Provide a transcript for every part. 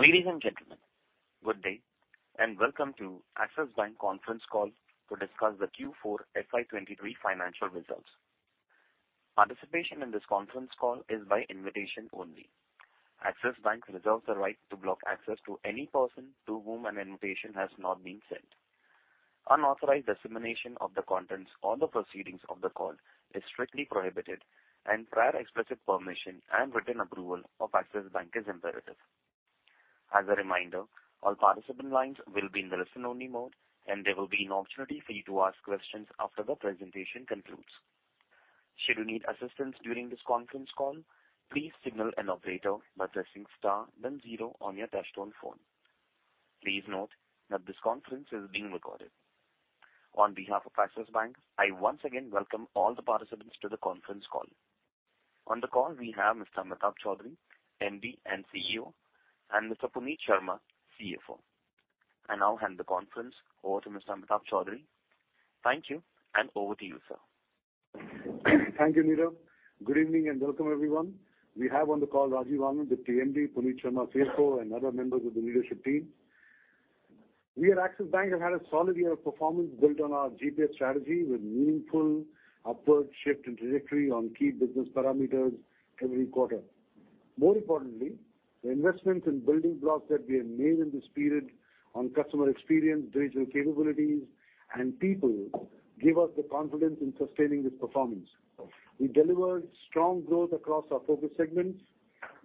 Ladies and gentlemen, good day, welcome to Axis Bank Conference Call to discuss the Q4 FY2023 financial results. Participation in this conference call is by invitation only. Axis Bank reserves the right to block access to any person to whom an invitation has not been sent. Unauthorized dissemination of the contents or the proceedings of the call is strictly prohibited. Prior expressive permission and written approval of Axis Bank is imperative. As a reminder, all participant lines will be in listen-only mode. There will be an opportunity for you to ask questions after the presentation concludes. Should you need assistance during this conference call, please signal an operator by pressing star then 0 on your touchtone phone. Please note that this conference is being recorded. On behalf of Axis Bank, I once again welcome all the participants to the conference call. On the call, we have Mr. Amitabh Chaudhry, MD and CEO, and Mr. Puneet Sharma, CFO. I now hand the conference over to Mr. Amitabh Chaudhry. Thank you. Over to you, sir. Thank you, Neerav. Good evening and welcome everyone. We have on the call Rajiv Anand, Deputy MD, Puneet Sharma, CFO, and other members of the leadership team. We at Axis Bank have had a solid year of performance built on our GPS strategy with meaningful upward shift in trajectory on key business parameters every quarter. More importantly, the investments in building blocks that we have made in this period on customer experience, digital capabilities, and people give us the confidence in sustaining this performance. We delivered strong growth across our focus segments,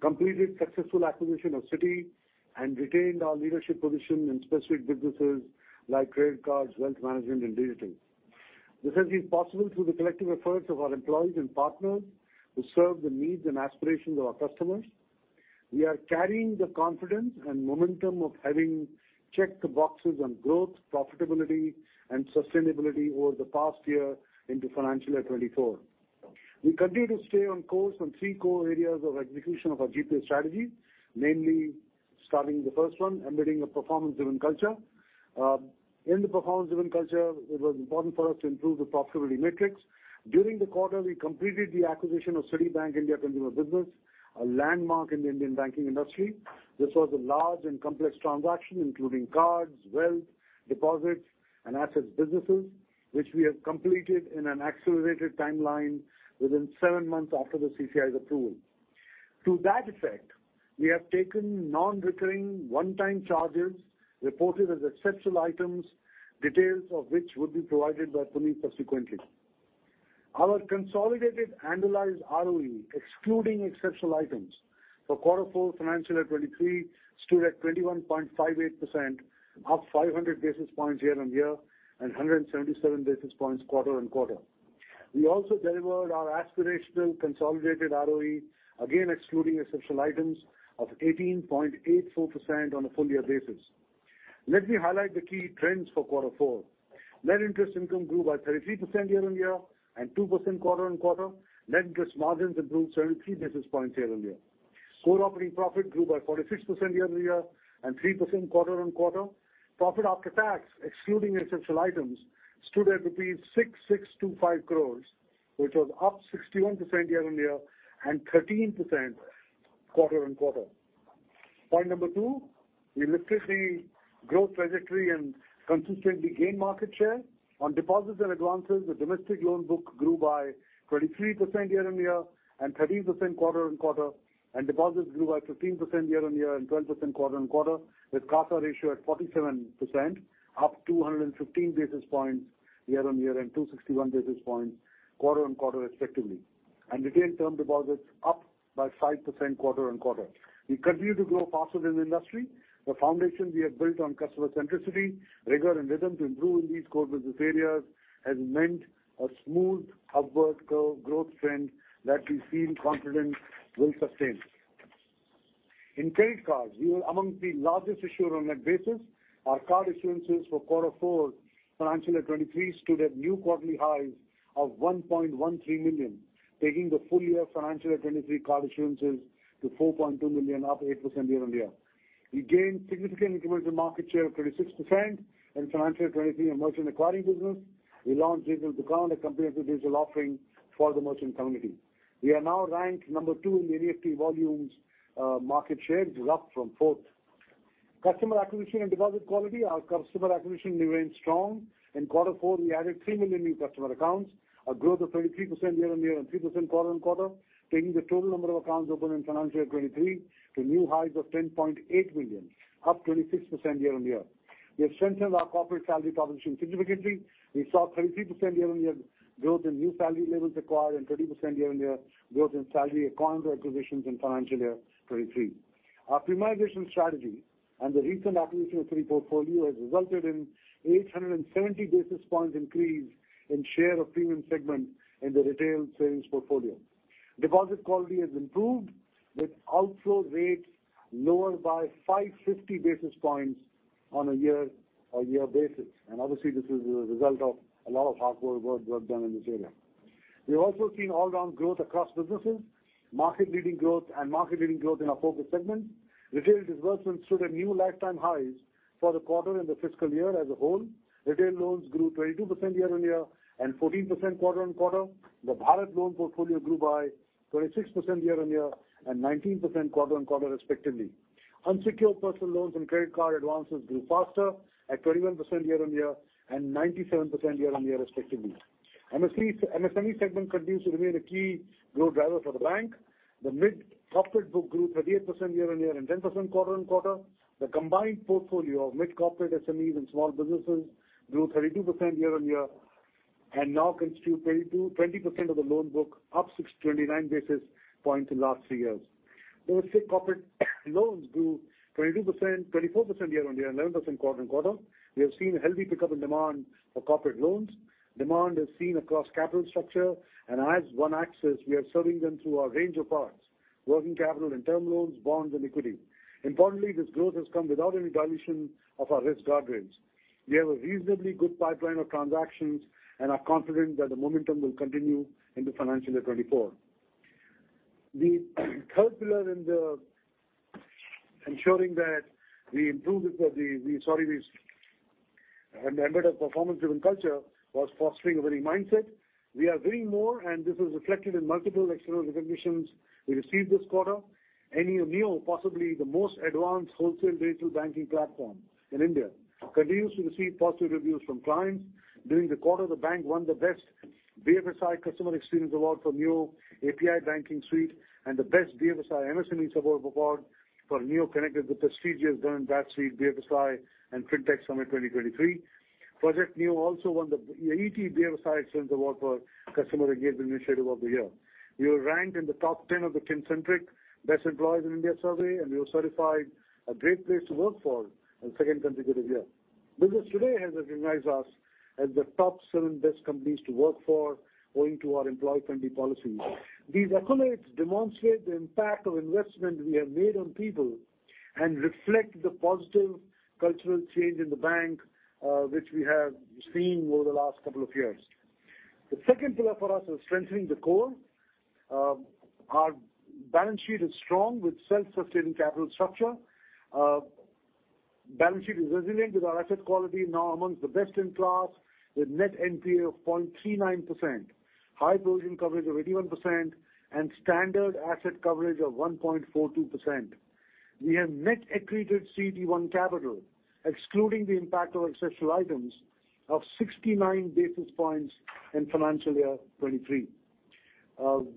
completed successful acquisition of Citi, and retained our leadership position in specific businesses like credit cards, wealth management and digital. This has been possible through the collective efforts of our employees and partners who serve the needs and aspirations of our customers. We are carrying the confidence and momentum of having checked the boxes on growth, profitability and sustainability over the past year into financial year 2024. We continue to stay on course on three core areas of execution of our GPS strategy, namely, starting the first one, embedding a performance-driven culture. In the performance-driven culture, it was important for us to improve the profitability metrics. During the quarter, we completed the acquisition of Citibank India consumer business, a landmark in the Indian banking industry. This was a large and complex transaction, including cards, wealth, deposits and assets businesses, which we have completed in an accelerated timeline within seven months after the CCI's approval. To that effect, we have taken non-recurring one-time charges reported as exceptional items, details of which would be provided by Puneet subsequently. Our consolidated annualized ROE, excluding exceptional items for quarter four financial year 2023, stood at 21.58%, up 500 basis points year-on-year and 177 basis points quarter-on-quarter. We also delivered our aspirational consolidated ROE, again excluding exceptional items, of 18.84% on a full year basis. Let me highlight the key trends for quarter four. Net interest income grew by 33% year-on-year and 2% quarter-on-quarter. Net interest margins improved 73 basis points year-on-year. Core operating profit grew by 46% year-on-year and 3% quarter-on-quarter. Profit after tax, excluding exceptional items, stood at rupees 6,625 crores, which was up 61% year-on-year and 13% quarter-on-quarter. Point number two, we lifted the growth trajectory and consistently gained market share. On deposits and advances, the domestic loan book grew by 23% year-on-year and 13% quarter-on-quarter, and deposits grew by 15% year-on-year and 12% quarter-on-quarter, with CASA ratio at 47%, up 215 basis points year-on-year and 261 basis points quarter-on-quarter respectively. Retail term deposits up by 5% quarter-on-quarter. We continue to grow faster than the industry. The foundation we have built on customer centricity, rigor and rhythm to improve in these core business areas has meant a smooth upward curve growth trend that we feel confident will sustain. In credit cards, we were amongst the largest issuer on net basis. Our card issuances for quarter four financial year 2023 stood at new quarterly highs of 1.13 million, taking the full year financial year 2023 card issuances to 4.2 million, up 8% year-on-year. We gained significant incremental market share of 26% in financial year 2023 in merchant acquiring business. We launched Digital Dukaan, a comprehensive digital offering for the merchant community. We are now ranked number two in the NEFT volumes, market share, it was up from fourth. Customer acquisition and deposit quality. Our customer acquisition remains strong. In quarter four, we added 3 million new customer accounts, a growth of 23% year-on-year and 3% quarter-on-quarter, taking the total number of accounts open in financial year 2023 to new highs of 10.8 million, up 26% year-on-year. We have strengthened our corporate salary proposition significantly. We saw 33% year-on-year growth in new salary levels acquired and 30% year-on-year growth in salary accounts acquisitions in financial year 2023. Our premiumization strategy and the recent acquisition of Citi portfolio has resulted in 870 basis points increase in share of premium segment in the retail savings portfolio. Deposit quality has improved with outflow rates lowered by 550 basis points on a year-on-year basis. Obviously, this is a result of a lot of hard work done in this area. We have also seen all-round growth across businesses, market leading growth in our focus segments. Retail disbursements stood at new lifetime highs for the quarter and the fiscal year as a whole. Retail loans grew 22% year-on-year and 14% quarter-on-quarter. The Bharat loan portfolio grew by 26% year-on-year and 19% quarter-on-quarter respectively. Unsecured personal loans and credit card advances grew faster at 21% year-on-year and 97% year-on-year respectively. MSME segment continues to remain a key growth driver for the bank. The mid-corporate book grew 38% year-on-year and 10% quarter-on-quarter. The combined portfolio of mid-corporate SMEs and small businesses grew 32% year-on-year and now constitute 20% of the loan book, up 69 basis points in last 3 years. Those six corporate loans grew 24% year-on-year and 11% quarter-on-quarter. We have seen a healthy pickup in demand for corporate loans. Demand is seen across capital structure and as One Axis, we are serving them through our range of products, working capital and term loans, bonds, and equity. Importantly, this growth has come without any dilution of our risk guardrails. We have a reasonably good pipeline of transactions and are confident that the momentum will continue into financial year 2024. The third pillar in the ensuring that we improve the embedded performance-driven culture was fostering a winning mindset. We are doing more, and this is reflected in multiple external recognitions we received this quarter. NEO, possibly the most advanced wholesale digital banking platform in India, continues to receive positive reviews from clients. During the quarter, the bank won the best BFSI customer experience award for NEO API Suite and the best BFSI MSME support award for NEO Connect with prestigious during Dun & Bradstreet BFSI and Fintech Summit 2023. Project NEO also won the ET BFSI Excellence Awards for Customer Engagement Initiative of the Year. We were ranked in the top 10 of the Kincentric Best Employers in India survey. We were certified a great place to work for a second consecutive year. Business Today has recognized us as the top seven best companies to work for owing to our employee-friendly policies. These accolades demonstrate the impact of investment we have made on people and reflect the positive cultural change in the bank, which we have seen over the last couple of years. The second pillar for us is strengthening the core. Our balance sheet is strong with self-sustaining capital structure. Balance sheet is resilient with our asset quality now amongst the best-in-class, with net NPA of 0.39%, high provision coverage of 81%, and standard asset coverage of 1.42%. We have net accreted CET1 capital, excluding the impact of exceptional items, of 69 basis points in financial year 2023.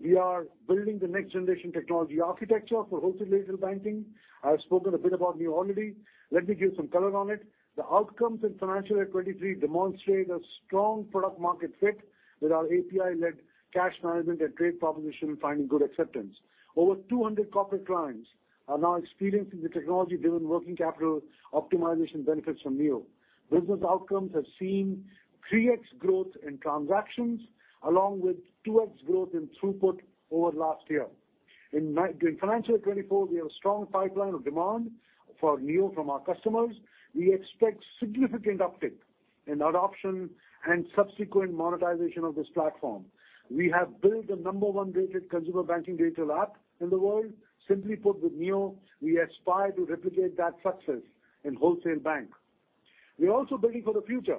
We are building the next-generation technology architecture for wholesale digital banking. I've spoken a bit about NEO already. Let me give some color on it. The outcomes in financial year 23 demonstrate a strong product market fit with our API-led cash management and trade proposition finding good acceptance. Over 200 corporate clients are now experiencing the technology-driven working capital optimization benefits from NEO. Business outcomes have seen 3x growth in transactions along with 2x growth in throughput over last year. In financial year 2024, we have a strong pipeline of demand for NEO from our customers. We expect significant uptick in adoption and subsequent monetization of this platform. We have built the number one-rated consumer banking digital app in the world. Simply put, with NEO, we aspire to replicate that success in wholesale bank. We're also building for the future.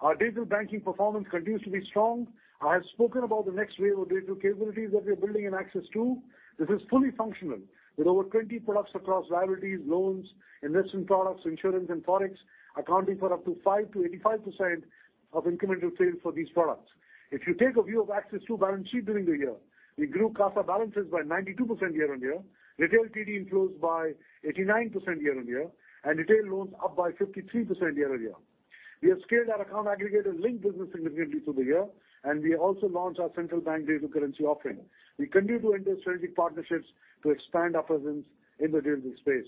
Our digital banking performance continues to be strong. I have spoken about the next wave of digital capabilities that we're building in Axis 2.0. This is fully functional with over 20 products across liabilities, loans, investment products, insurance, and forex, accounting for up to 5%-85% of incremental sales for these products. If you take a view of Axis 2.0 balance sheet during the year, we grew CASA balances by 92% year-on-year, retail TD inflows by 89% year-on-year, and retail loans up by 53% year-on-year. We have scaled our Account Aggregator linked business significantly through the year, and we also launched our central bank digital currency offering. We continue to enter strategic partnerships to expand our presence in the digital space.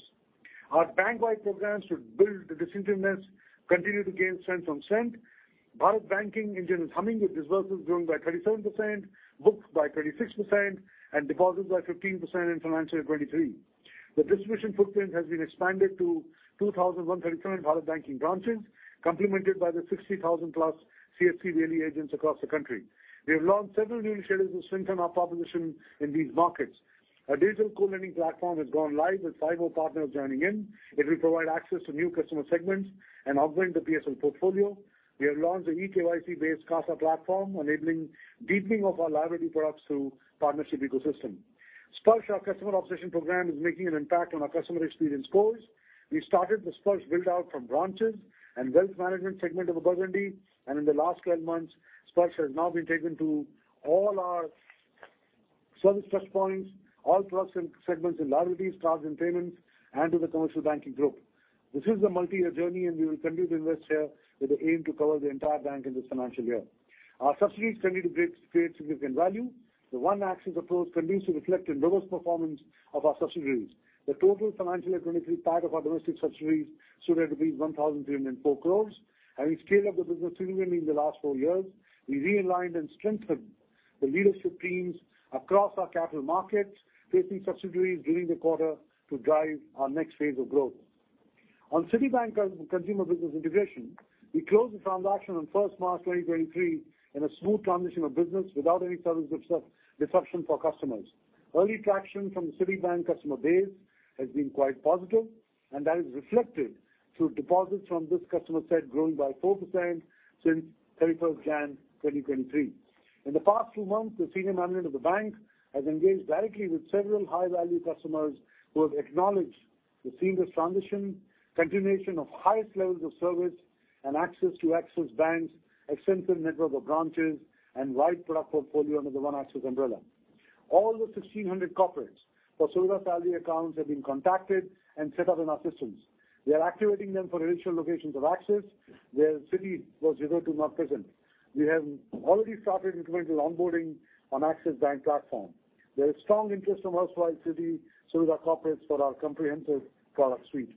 Our bank-wide programs to build the distinctiveness continue to gain strength from strength. Bharat Banking engine is humming with disbursements growing by 37%, books by 36%, and deposits by 15% in financial year 2023. The distribution footprint has been expanded to 2,137 Bharat Banking branches, complemented by the 60,000+ CSC daily agents across the country. We have launched several new initiatives to strengthen our proposition in these markets. Our digital co-lending platform has gone live with five more partners joining in. It will provide access to new customer segments and augment the PSL portfolio. We have launched an eKYC-based CASA platform, enabling deepening of our liability products through partnership ecosystem. Sparsh, our customer observation program, is making an impact on our customer experience scores. We started the Sparsh build-out from branches and wealth management segment of Burgundy. In the last 12 months, Sparsh has now been taken to all our service touchpoints, all products and segments in liabilities, cards and payments, and to the commercial banking group. This is a multi-year journey. We will continue to invest here with the aim to cover the entire bank in this financial year. Our subsidiaries continue to create significant value. The One Axis approach continues to reflect in robust performance of our subsidiaries. The total financial year 2023 PAT of our domestic subsidiaries stood at 1,304 crores. Having scaled up the business significantly in the last four years, we realigned and strengthened the leadership teams across our capital markets, facing subsidiaries during the quarter to drive our next phase of growth. On Citibank India Consumer Business integration, we closed the transaction on 1st March 2023, in a smooth transition of business without any service disruption for customers. Early traction from the Citibank customer base has been quite positive, and that is reflected through deposits from this customer set growing by 4% since 31st January 2023. In the past few months, the senior management of the bank has engaged directly with several high-value customers who have acknowledged the seamless transition, continuation of highest levels of service and access to Axis Bank's extensive network of branches and wide product portfolio under the One Axis umbrella. All the 1,600 corporates for Suvidha salary accounts have been contacted and set up in our systems. We are activating them for initial locations of Axis, where Citi was either too not present. We have already started incremental onboarding on Axis Bank platform. There is strong interest from our side, Citi, so with our corporates for our comprehensive product suite.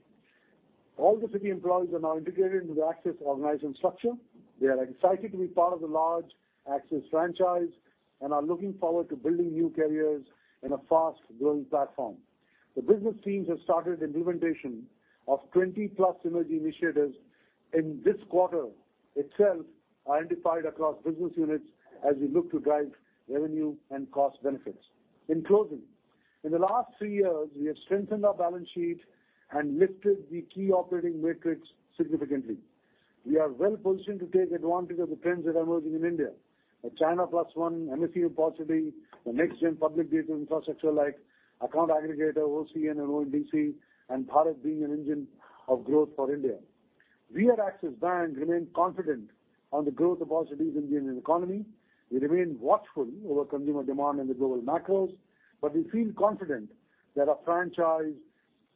All the Citi employees are now integrated into the Axis organization structure. They are excited to be part of the large Axis franchise and are looking forward to building new careers in a fast-growing platform. The business teams have started implementation of 20+ synergy initiatives in this quarter itself, identified across business units as we look to drive revenue and cost benefits. In closing, in the last three years, we have strengthened our balance sheet and lifted the key operating matrix significantly. We are well-positioned to take advantage of the trends that are emerging in India, the China Plus One, [MSME] possibly, the next-gen public data infrastructure like Account Aggregator, OCEN and ONDC, and Bharat being an engine of growth for India. We at Axis Bank remain confident on the growth of our cities, Indian economy. We remain watchful over consumer demand in the global macros, but we feel confident that our franchise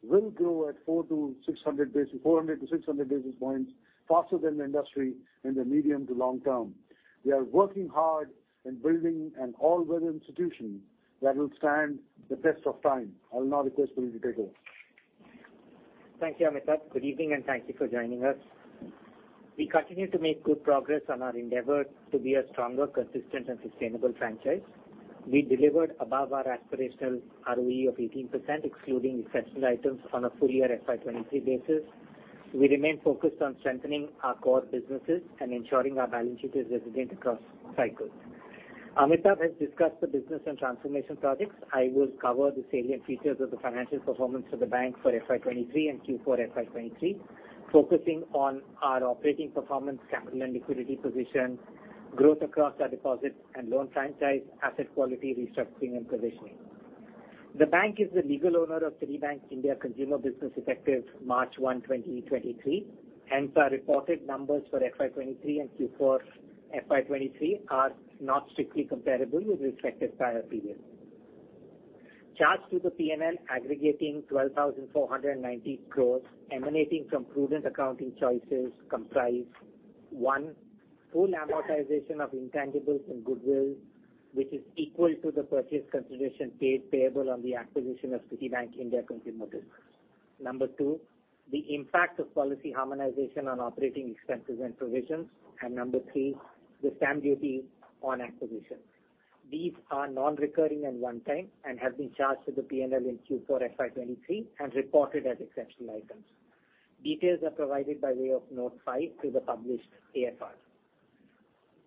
will grow at 400 to 600 basis points faster than the industry in the medium to long term. We are working hard in building an all-weather institution that will stand the test of time. I'll now request Puneet to take over. Thank you, Amitabh. Good evening, and thank you for joining us. We continue to make good progress on our endeavor to be a stronger, consistent and sustainable franchise. We delivered above our aspirational ROE of 18%, excluding exceptional items on a full year FY2023 basis. We remain focused on strengthening our core businesses and ensuring our balance sheet is resilient across cycles. Amitabh has discussed the business and transformation projects. I will cover the salient features of the financial performance of the bank for FY2023 and Q4 FY2023, focusing on our operating performance, capital and liquidity position, growth across our deposit and loan franchise, asset quality, restructuring and provisioning. The bank is the legal owner of Citibank India consumer business effective March 1, 2023, hence our reported numbers for FY2023 and Q4 FY2023 are not strictly comparable with respective prior periods. Charged to the P&L aggregating 12,490 crores emanating from prudent accounting choices comprise, one, full amortization of intangibles and goodwill, which is equal to the purchase consideration paid payable on the acquisition of Citibank India consumer business. Number two, the impact of policy harmonization on operating expenses and provisions. Number three, the stamp duty on acquisitions. These are non-recurring and one time and have been charged to the P&L in Q4 FY2023 and reported as exceptional items. Details are provided by way of note five to the published ASR.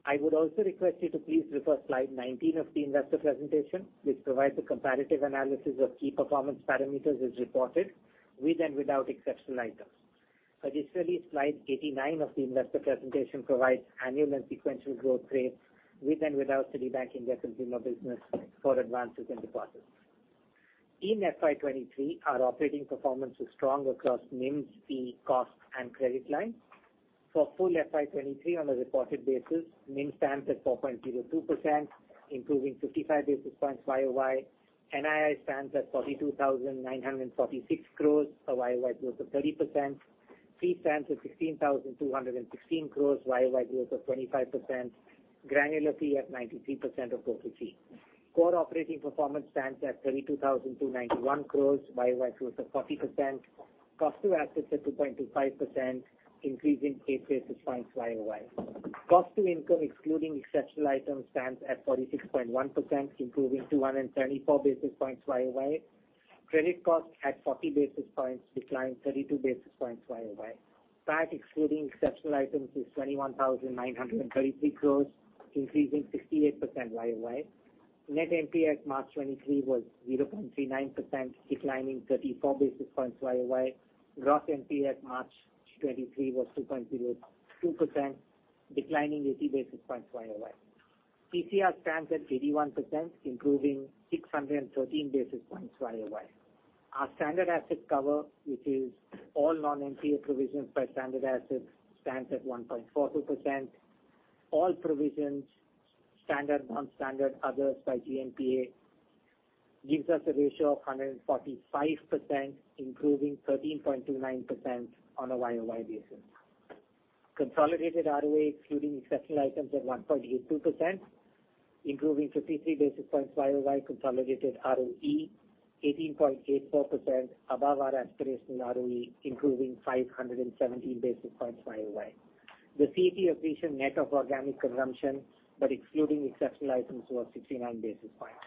I would also request you to please refer slide 19 of the investor presentation, which provides a comparative analysis of key performance parameters as reported with and without exceptional items. Additionally, slide 89 of the investor presentation provides annual and sequential growth rates with and without Citibank India consumer business for advances and deposits. In FY2023, our operating performance was strong across NIMs, fee costs and credit lines. For full FY2023 on a reported basis, NIM stands at 4.02%, improving 55 basis points YoY. NII stands at 42,946 crores, a YoY growth of 30%. Fee stands at 16,216 crores, YoY growth of 25%. Granularity at 93% of total fee. Core operating performance stands at 32,291 crores, YoY growth of 40%. Cost to assets at 2.25%, increasing 8 basis points YoY. Cost to income, excluding exceptional items, stands at 46.1%, improving 134 basis points YoY. Credit costs at 40 basis points, declined 32 basis points YoY. PAT excluding exceptional items is 21,933 crores, increasing 68% YoY. Net NPA at March 2023 was 0.39%, declining 34 basis points YoY. Gross NPA at March 2023 was 2.02%, declining 80 basis points YoY. PCR stands at 81%, improving 613 basis points YoY. Our standard asset cover, which is all non-NPA provisions by standard assets, stands at 1.42%. All provisions, standard, non-standard, others by GNPA gives us a ratio of 145%, improving 13.29% on a YoY basis. Consolidated ROA excluding exceptional items at 1.82%, improving 53 basis points YoY. Consolidated ROE 18.84% above our aspirational ROE, improving 517 basis points YoY. The CET1 efficient net of organic consumption, excluding exceptional items, was 69 basis points.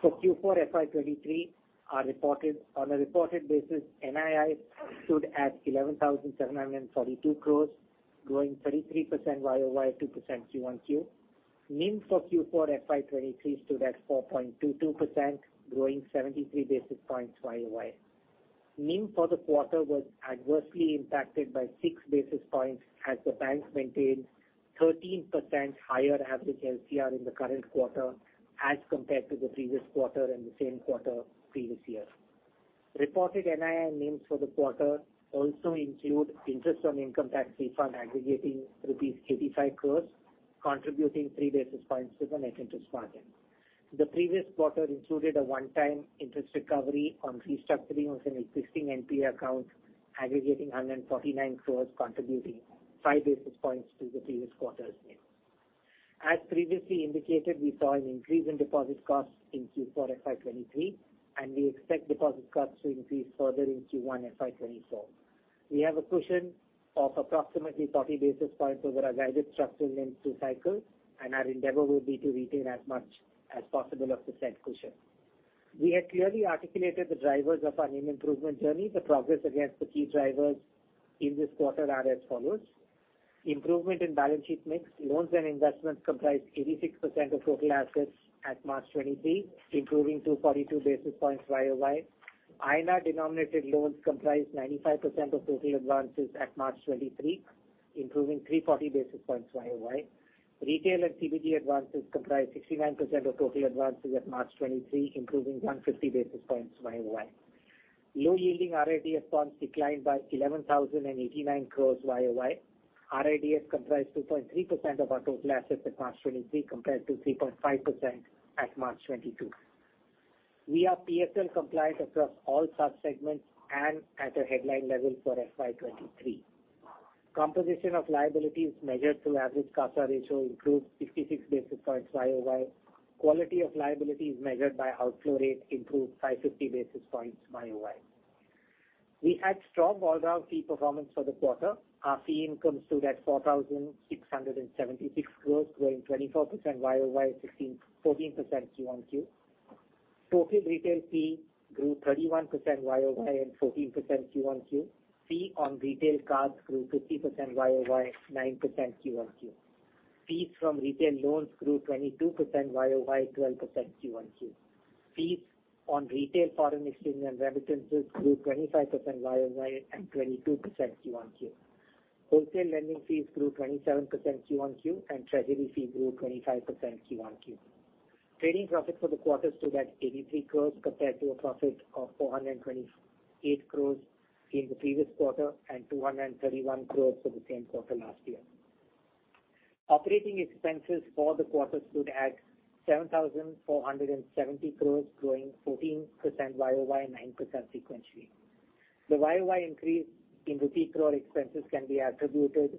For Q4 FY2023 are reported, on a reported basis, NII stood at 11,742 crores, growing 33% YoY, 2% QoQ. NIM for Q4 FY2023 stood at 4.22%, growing 73 basis points YoY. NIM for the quarter was adversely impacted by 6 basis points as the bank maintained 13% higher average LCR in the current quarter as compared to the previous quarter and the same quarter previous year. Reported NII NIMs for the quarter also include interest on income tax refund aggregating rupees 85 crores, contributing 3 basis points to the net interest margin. The previous quarter included a one-time interest recovery on restructuring of an existing NPA account aggregating 149 crores, contributing 5 basis points to the previous quarter's NIM. As previously indicated, we saw an increase in deposit costs in Q4 FY2023. We expect deposit costs to increase further in Q1 FY2024. We have a cushion of approximately 40 basis points over our guided structural NIMs through cycle. Our endeavor will be to retain as much as possible of the said cushion. We have clearly articulated the drivers of our NIM improvement journey. The progress against the key drivers in this quarter are as follows. Improvement in balance sheet mix. Loans and investments comprise 86% of total assets at March 2023, improving 242 basis points YoY. INR denominated loans comprise 95% of total advances at March 2023, improving 340 basis points YoY. Retail and CBG advances comprise 69% of total advances at March 2023, improving 150 basis points YoY. Low yielding RIDF bonds declined by 11,089 crore year-over-year. RIDFs comprise 2.3% of our total assets at March 2023 compared to 3.5% at March 2022. We are PSL compliant across all sub-segments and at a headline level for FY2023. Composition of liabilities measured through average CASA ratio improved 56 basis points year-over-year. Quality of liabilities measured by outflow rate improved 550 basis points year-over-year. We had strong all-round fee performance for the quarter. Our fee income stood at 4,676 crore, growing 24% YoY, 14% QoQ. Total retail fee grew 31% YoY and 14% QoQ. Fee on retail cards grew 50% YoY, 9% QoQ. Fees from retail loans grew 22% YoY, 12% QoQ. Fees on retail foreign exchange and remittances grew 25% YoY and 22% QoQ. Wholesale lending fees grew 27% QoQ, and treasury fee grew 25% QoQ. Trading profit for the quarter stood at 83 crore compared to a profit of 428 crore in the previous quarter and 231 crore for the same quarter last year. Operating expenses for the quarter stood at 7,470 crore, growing 14% YoY and 9% sequentially. The YoY increase in rupee crore expenses can be attributed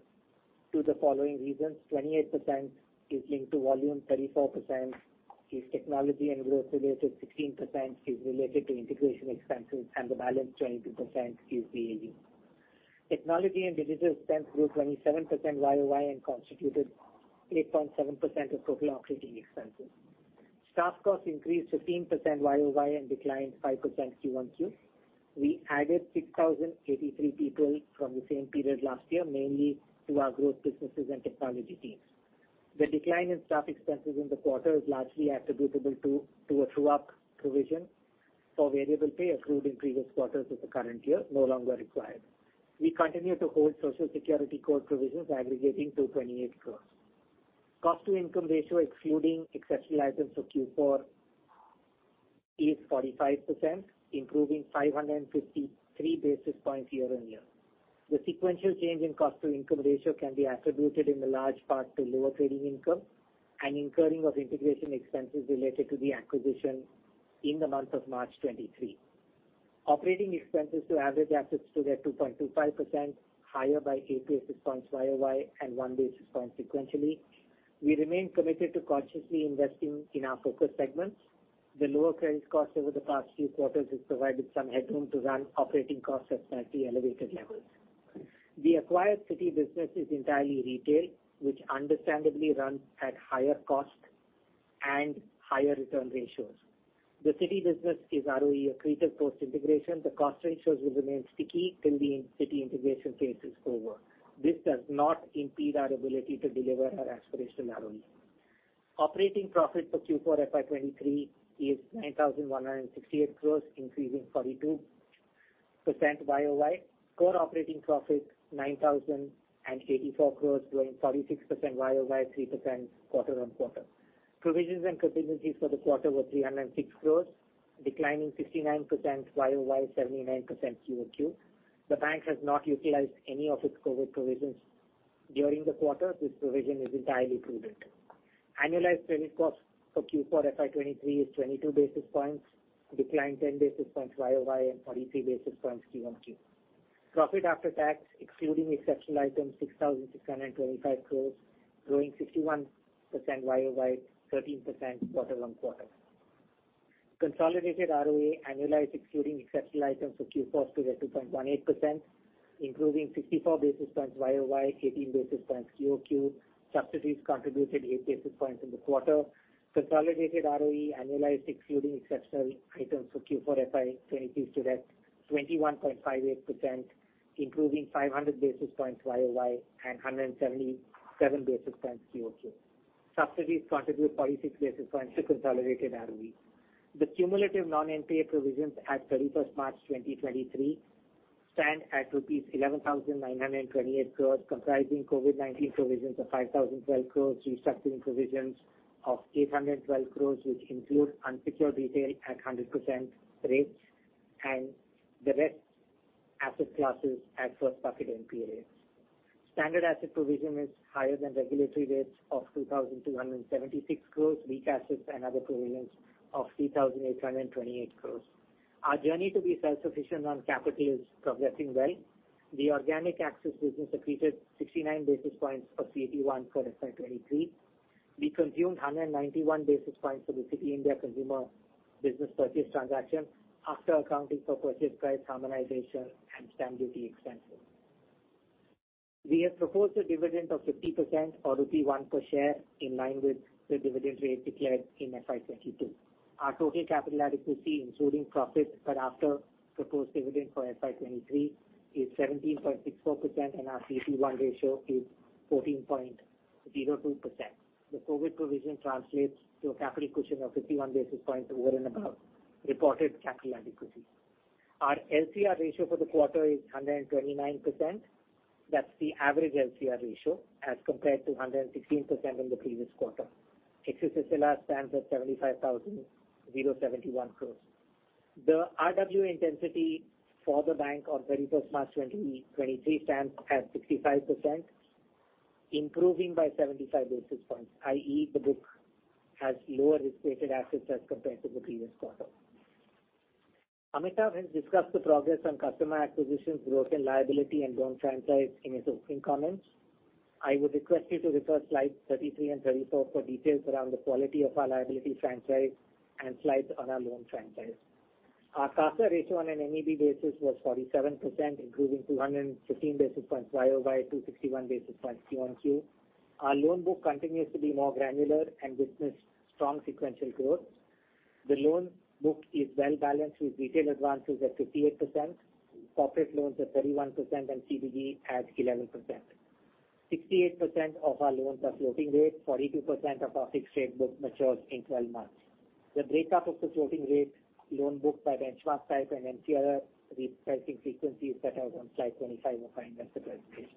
to the following reasons. 28% is linked to volume, 34% is technology and growth related, 16% is related to integration expenses, and the balance, 22%, is [BAU]. Technology and digital expense grew 27% YoY and constituted 8.7% of total operating expenses. Staff costs increased 15% YoY and declined 5% QoQ. We added 6,083 people from the same period last year, mainly to our growth businesses and technology teams. The decline in staff expenses in the quarter is largely attributable to a true-up provision for variable pay accrued in previous quarters of the current year, no longer required. We continue to hold social security core provisions aggregating to 28 crores. Cost to income ratio excluding exceptional items for Q4 is 45%, improving 553 basis points year-on-year. The sequential change in cost to income ratio can be attributed in the large part to lower trading income and incurring of integration expenses related to the acquisition in the month of March 2023. Operating expenses to average assets stood at 2.25%, higher by 8 basis points YoY and 1 basis point sequentially. We remain committed to consciously investing in our focus segments. The lower credit costs over the past few quarters has provided some headroom to run operating costs at slightly elevated levels. The acquired Citi Business is entirely retail, which understandably runs at higher cost and higher return ratios. The Citi Business is ROE accretive post-integration. The cost ratios will remain sticky till the Citi integration phase is over. This does not impede our ability to deliver our aspirational ROE. Operating profit for Q4 FY2023 is 9,168 crores, increasing 42% YoY. Core operating profit, 9,084 crores, growing 46% YoY, 3% quarter-on-quarter. Provisions and contingencies for the quarter were 306 crores, declining 59% YoY, 79% QoQ. The bank has not utilized any of its COVID provisions during the quarter. This provision is entirely prudent. Annualized credit cost for Q4 FY2023 is 22 basis points, declined 10 basis points YoY and 43 basis points QoQ. Profit after tax, excluding exceptional items, 6,625 crores, growing 61% YoY, 13% quarter-on-quarter. Consolidated ROA annualized excluding exceptional items for Q4 stood at 2.18%, including 64 basis points YoY, 18 basis points QoQ. Subsidies contributed 8 basis points in the quarter. Consolidated ROE annualized excluding exceptional items for Q4 FY2022 stood at 21.58%, improving 500 basis points YoY and 177 basis points QoQ. Subsidies contribute 46 basis points to consolidated ROE. The cumulative non-NPA provisions at 31st March 2023 stand at INR 11,928 crores, comprising COVID-19 provisions of 5,012 crores, restructuring provisions of 812 crores, which include unsecured retail at 100% rates and the rest asset classes at first bucket NPA rates. Standard asset provision is higher than regulatory rates of 2,276 crores, weak assets and other provisions of 3,828 crores. Our journey to be self-sufficient on capital is progressing well. The organic Axis business accreted 69 basis points of CET1 for FY2023. We consumed 191 basis points for the Citibank India Consumer Business Purchase transaction after accounting for purchase price harmonization and stamp duty expenses. We have proposed a dividend of 50% or rupee 1 per share in line with the dividend rate declared in FY2022. Our total capital adequacy, including profits but after proposed dividend for FY2023, is 17.64% and our CET1 ratio is 14.02%. The COVID provision translates to a capital cushion of 51 basis points over and above reported capital adequacy. Our LCR ratio for the quarter is 129%. That's the average LCR ratio as compared to 116% in the previous quarter. Excess SLR stands at 75,071 crores. The RWA intensity for the bank on 31st March 2023 stands at 65%, improving by 75 basis points, i.e., the book has lower risk-weighted assets as compared to the previous quarter. Amitabh has discussed the progress on customer acquisitions, growth in liability, and loan franchise in his opening comments. I would request you to refer slides 33 and 34 for details around the quality of our liability franchise and slides on our loan franchise. Our CASA ratio on an NEB basis was 47%, improving 215 basis points YoY, 261 basis points QoQ. Our loan book continues to be more granular and witnessed strong sequential growth. The loan book is well-balanced, with retail advances at 58%, corporate loans at 31%, and CBG at 11%. 68% of our loans are floating rate. 42% of our fixed rate book matures in 12 months. The breakup of the floating rate loan book by benchmark type and MCLR repricing frequencies set out on slide 25 of investor presentation.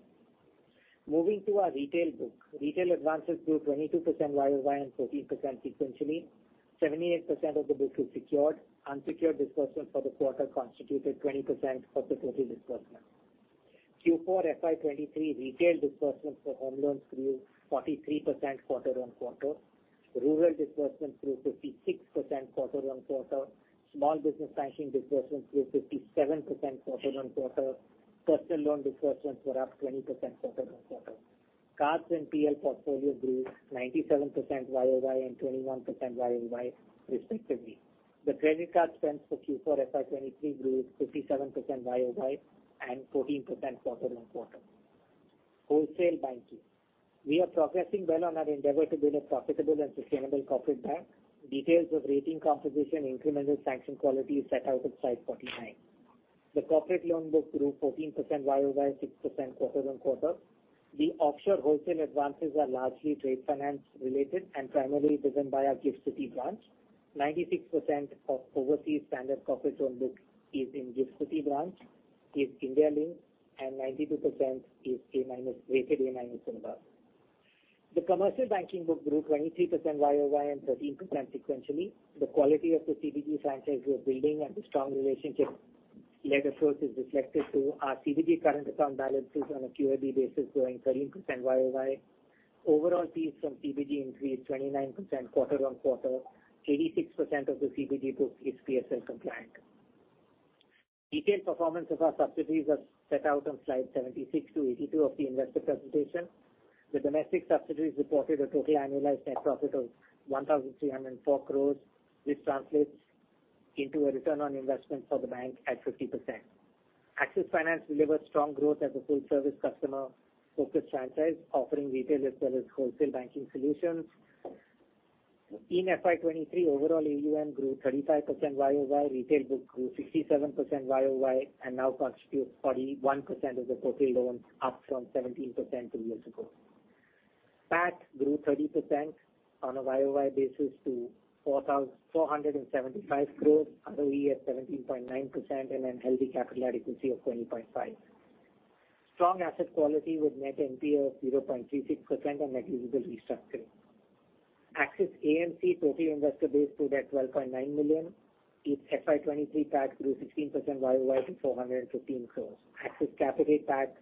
Moving to our retail book. Retail advances grew 22% YoY and 14% sequentially. 78% of the book is secured. Unsecured disbursements for the quarter constituted 20% of the total disbursement. Q4 FY2023 retail disbursements for home loans grew 43% quarter-on-quarter. Rural disbursements grew 56% quarter-on-quarter. Small business financing disbursements grew 57% quarter-on-quarter. Personal loan disbursements were up 20% quarter-on-quarter. Cards and PL portfolio grew 97% YoY and 21% YoY respectively. The credit card spends for Q4 FY2023 grew 57% YoY and 14% quarter-on-quarter. Wholesale Banking. We are progressing well on our endeavor to build a profitable and sustainable corporate bank. Details of rating composition, incremental sanction quality is set out on slide 49. The corporate loan book grew 14% YoY and 6% quarter-on-quarter. The offshore wholesale advances are largely trade finance related and primarily driven by our Gift City branch. 96% of overseas standard corporate loan book is in Gift City branch, is India linked, and 92% is A-, rated A- in the past. The commercial banking book grew 23% YoY and 13% sequentially. The quality of the CBG franchise we are building and the strong relationship lender source is reflected through our CBG current account balances on a QAB basis growing 13% YoY. Overall fees from CBG increased 29% quarter-on-quarter. 86% of the CBG book is PSL compliant. Detailed performance of our subsidiaries are set out on slide 76 to 82 of the investor presentation. The domestic subsidiaries reported a total annualized net profit of 1,304 crores. This translates into a return on investment for the bank at 50%. Axis Finance delivered strong growth as a full service customer-focused franchise, offering retail as well as wholesale banking solutions. In FY2023, overall AUM grew 35% YoY. Retail book grew 67% YoY and now constitutes 41% of the total loans, up from 17% two years ago. PAT grew 30% on a YoY basis to 4,475 crores, ROE at 17.9% and a healthy capital adequacy of 20.5%. Strong asset quality with net NPA of 0.36% and negligible restructuring. Axis AMC total investor base stood at 12.9 million. Its FY2023 PAT grew 16% YoY to 415 crores. Axis Capital PAT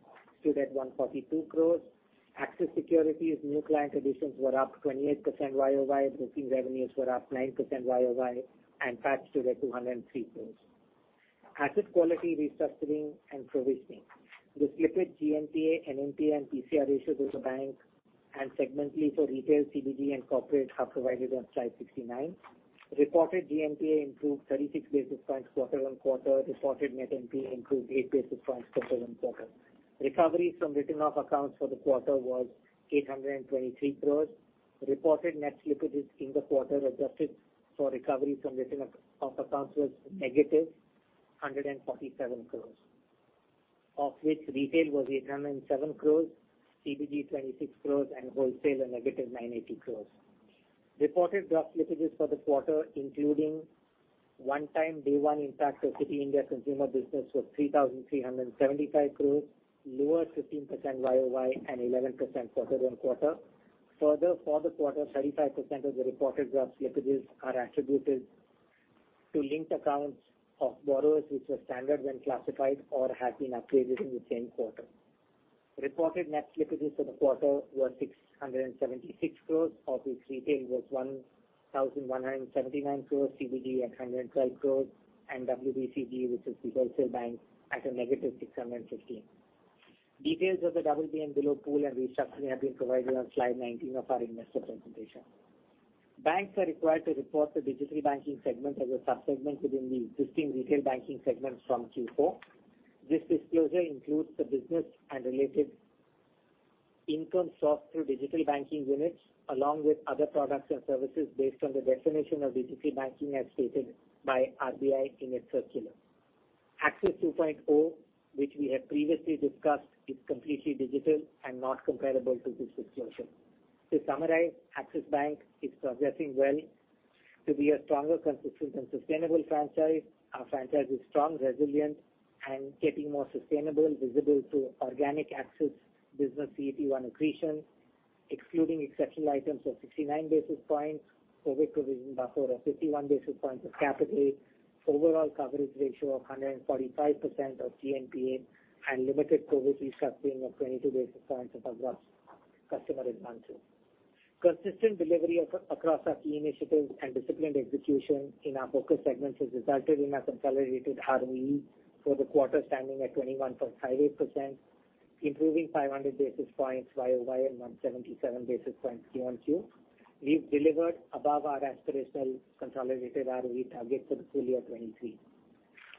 stood at 142 crores. Axis Securities new client additions were up 28% YoY. Broking revenues were up 9% YoY and PAT stood at 203 crores. Asset quality restructuring and provisioning. The slipped GNPA, NNPA and PCR ratios of the bank. Segmentally for retail, CBG and corporate are provided on slide 69. Reported GNPA improved 36 basis points quarter-on-quarter. Reported net NPA improved 8 basis points quarter-on-quarter. Recovery from written off accounts for the quarter was 823 crores. Reported net slippages in the quarter adjusted for recovery from written off accounts was negative 147 crores, of which retail was 807 crores, CBG 26 crores, and wholesale a -980 crores. Reported gross slippages for the quarter, including one-time day one impact of Citibank India Consumer Business, was 3,375 crores, lower 15% YoY and 11% quarter-on-quarter. For the quarter, 35% of the reported gross slippages are attributed to linked accounts of borrowers which were standard when classified or had been upgraded in the same quarter. Reported net slippages for the quarter were 676 crores, of which retail was 1,179 crores, CBG at 112 crores and WBCG, which is the wholesale bank, at a -615. Details of the double-digit below pool and restructuring have been provided on slide 19 of our investor presentation. Banks are required to report the digital banking segment as a sub-segment within the existing retail banking segment from Q4. This disclosure includes the business and related income sourced through digital banking units along with other products and services based on the definition of digital banking as stated by RBI in its circular. Axis 2.0, which we have previously discussed, is completely digital and not comparable to this disclosure. To summarize, Axis Bank is progressing well to be a stronger, consistent and sustainable franchise. Our franchise is strong, resilient and getting more sustainable, visible through organic Axis business CET1 accretion, excluding exceptional items of 69 basis points, COVID provision buffer of 51 basis points of capital, overall coverage ratio of 145% of GNPA, and limited COVID restructuring of 22 basis points of gross customer advances. Consistent delivery across our key initiatives and disciplined execution in our focus segments has resulted in our consolidated ROE for the quarter standing at 21.58%, improving 500 basis points YoY and 177 basis points QoQ. We've delivered above our aspirational consolidated ROE target for the full year 2023.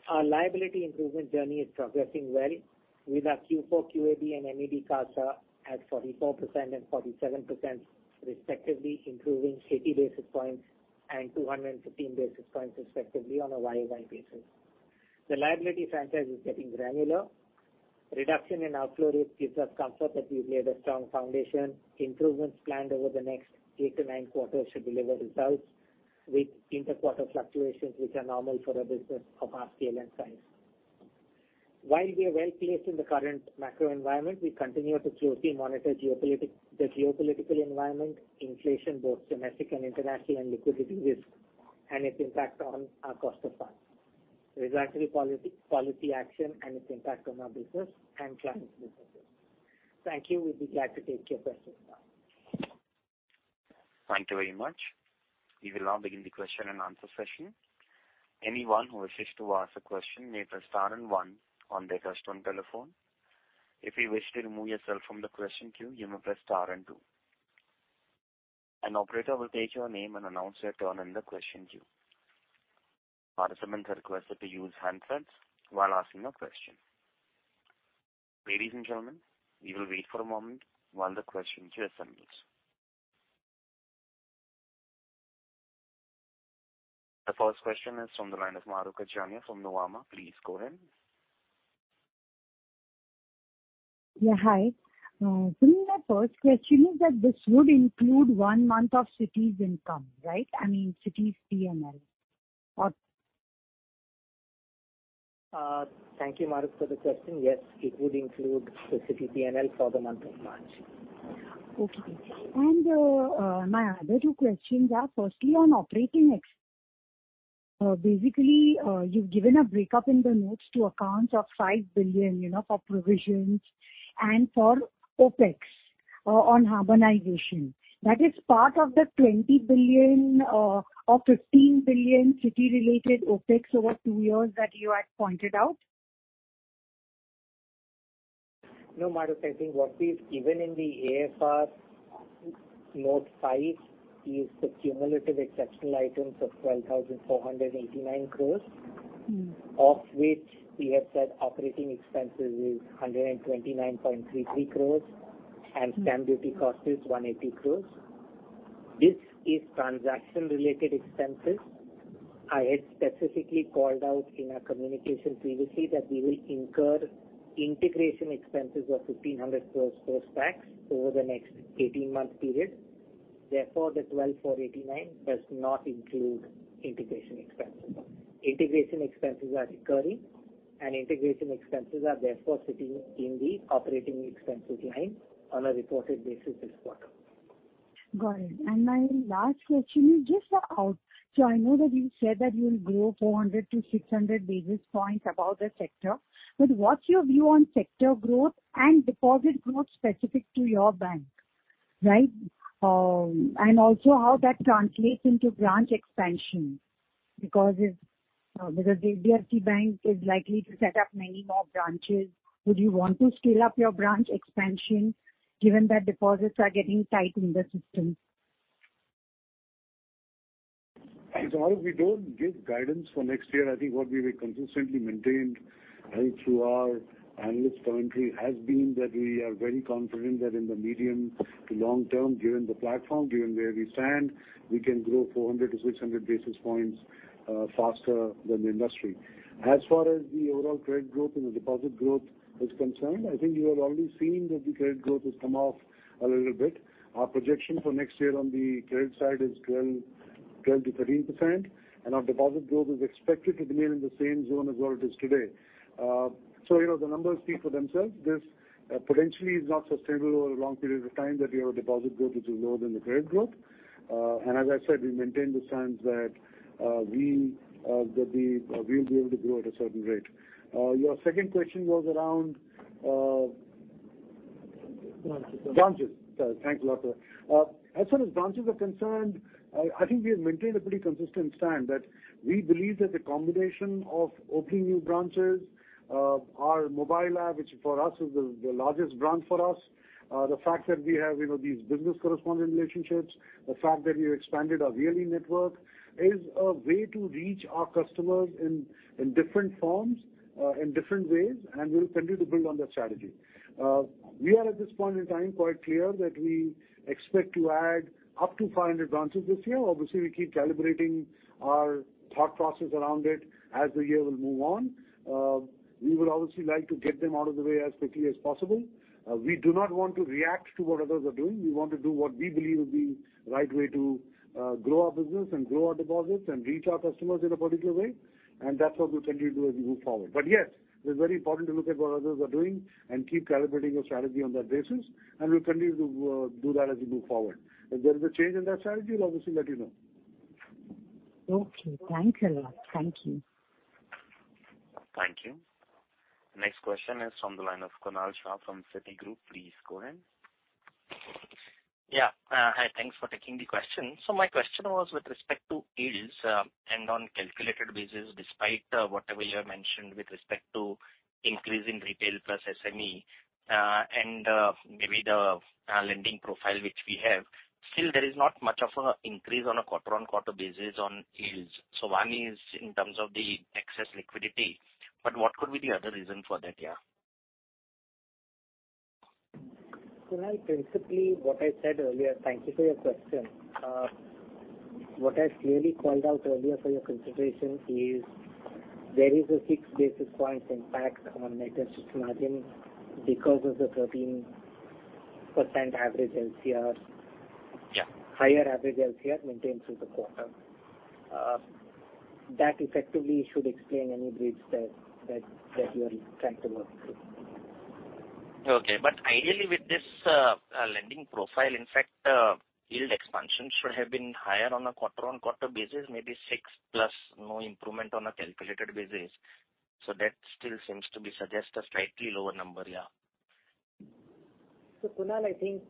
Our liability improvement journey is progressing well with our Q4 QAB and MED CASA at 44% and 47% respectively, improving 80 basis points and 215 basis points respectively on a YoY basis. The liability franchise is getting granular. Reduction in outflow rate gives us comfort that we've laid a strong foundation. Improvements planned over the next eight to nine quarters should deliver results with inter-quarter fluctuations which are normal for a business of our scale and size. While we are well-placed in the current macro environment, we continue to closely monitor the geopolitical environment, inflation, both domestic and international, and liquidity risk and its impact on our cost of funds, regulatory policy action and its impact on our business and clients' businesses. Thank you. We will be glad to take your questions now. Thank you very much. We will now begin the question and answer session. Anyone who wishes to ask a question may press star and one on their customer telephone. If you wish to remove yourself from the question queue, you may press star and two. An operator will take your name and announce your turn in the question queue. Participants are requested to use handsets while asking a question. Ladies and gentlemen, we will wait for a moment while the question queue assembles. The first question is from the line of Mahrukh Adajania from Nuvama. Please go ahead. Yeah, hi. My first question is that this would include one month of Citi's income, right? I mean, Citi's PNL or... Thank you, Mahrukh, for the question. Yes, it would include the Citi PNL for the month of March. Okay. My other two questions are firstly on OpEx. Basically, you've given a breakup in the notes to accounts of 5 billion, you know, for provisions and for OpEx on harmonization. That is part of the 20 billion or 15 billion Citi-related OpEx over two years that you had pointed out? No, Mahrukh. I think what we've given in the ASR note five is the cumulative exceptional items of 12,489 crores. Mm. -of which we have said operating expenses is 129.33 crores and stamp duty cost is 180 crores. This is transaction-related expenses. I had specifically called out in our communication previously that we will incur integration expenses of 1,500 crores post-tax over the next 18-month period. Therefore, the 12,489 does not include integration expenses. Integration expenses are recurring. Integration expenses are therefore sitting in the operating expenses line on a reported basis this quarter. Got it. My last question is just for out. I know that you said that you will grow 400 to 600 basis points above the sector, but what's your view on sector growth and deposit growth specific to your bank, right? Also how that translates into branch expansion. Because the DBS Bank is likely to set up many more branches, would you want to scale up your branch expansion given that deposits are getting tight in the system? Thanks, Mahrukh. We don't give guidance for next year. I think what we've consistently maintained right through our analyst commentary has been that we are very confident that in the medium to long term, given the platform, given where we stand, we can grow 400 to 600 basis points faster than the industry. As far as the overall credit growth and the deposit growth is concerned, I think you are already seeing that the credit growth has come off a little bit. Our projection for next year on the credit side is 12-13%, and our deposit growth is expected to remain in the same zone as where it is today. You know, the numbers speak for themselves. This potentially is not sustainable over long periods of time, that your deposit growth is lower than the credit growth. As I said, we maintain the stance that we'll be able to grow at a certain rate. Your second question was around. Branches. Branches. Thanks a lot, sir. As far as branches are concerned, I think we have maintained a pretty consistent stand, that we believe that the combination of opening new branches, our mobile app, which for us is the largest brand for us, the fact that we have, you know, these business correspondent relationships, the fact that we expanded our weekly network, is a way to reach our customers in different forms, in different ways, and we'll continue to build on that strategy. We are at this point in time quite clear that we expect to add up to 500 branches this year. Obviously, we keep calibrating our thought process around it as the year will move on. We would obviously like to get them out of the way as quickly as possible. We do not want to react to what others are doing. We want to do what we believe would be right way to grow our business and grow our deposits and reach our customers in a particular way, and that's what we'll continue to do as we move forward. Yes, it's very important to look at what others are doing and keep calibrating our strategy on that basis, and we'll continue to do that as we move forward. If there is a change in that strategy, we'll obviously let you know. Okay, thanks a lot. Thank you. Thank you. Next question is from the line of Kunal Shah from Citigroup. Please go ahead. Yeah. Hi. Thanks for taking the question. My question was with respect to yields, and on calculated basis, despite whatever you have mentioned with respect to increasing retail plus SME, and maybe the lending profile which we have, still there is not much of a increase on a quarter-on-quarter basis on yields. One is in terms of the excess liquidity, but what could be the other reason for that, yeah? Kunal, principally, what I said earlier. Thank you for your question. What I clearly called out earlier for your consideration is there is a six basis points impact on net interest margin because of the 13% average LCR. Yeah. Higher average LCR maintained through the quarter. That effectively should explain any bridge that you're trying to work through. Okay. Ideally with this lending profile, in fact, yield expansion should have been higher on a quarter-on-quarter basis, maybe 6+, no improvement on a calculated basis. That still seems to be suggest a slightly lower number, yeah. Kunal, I think,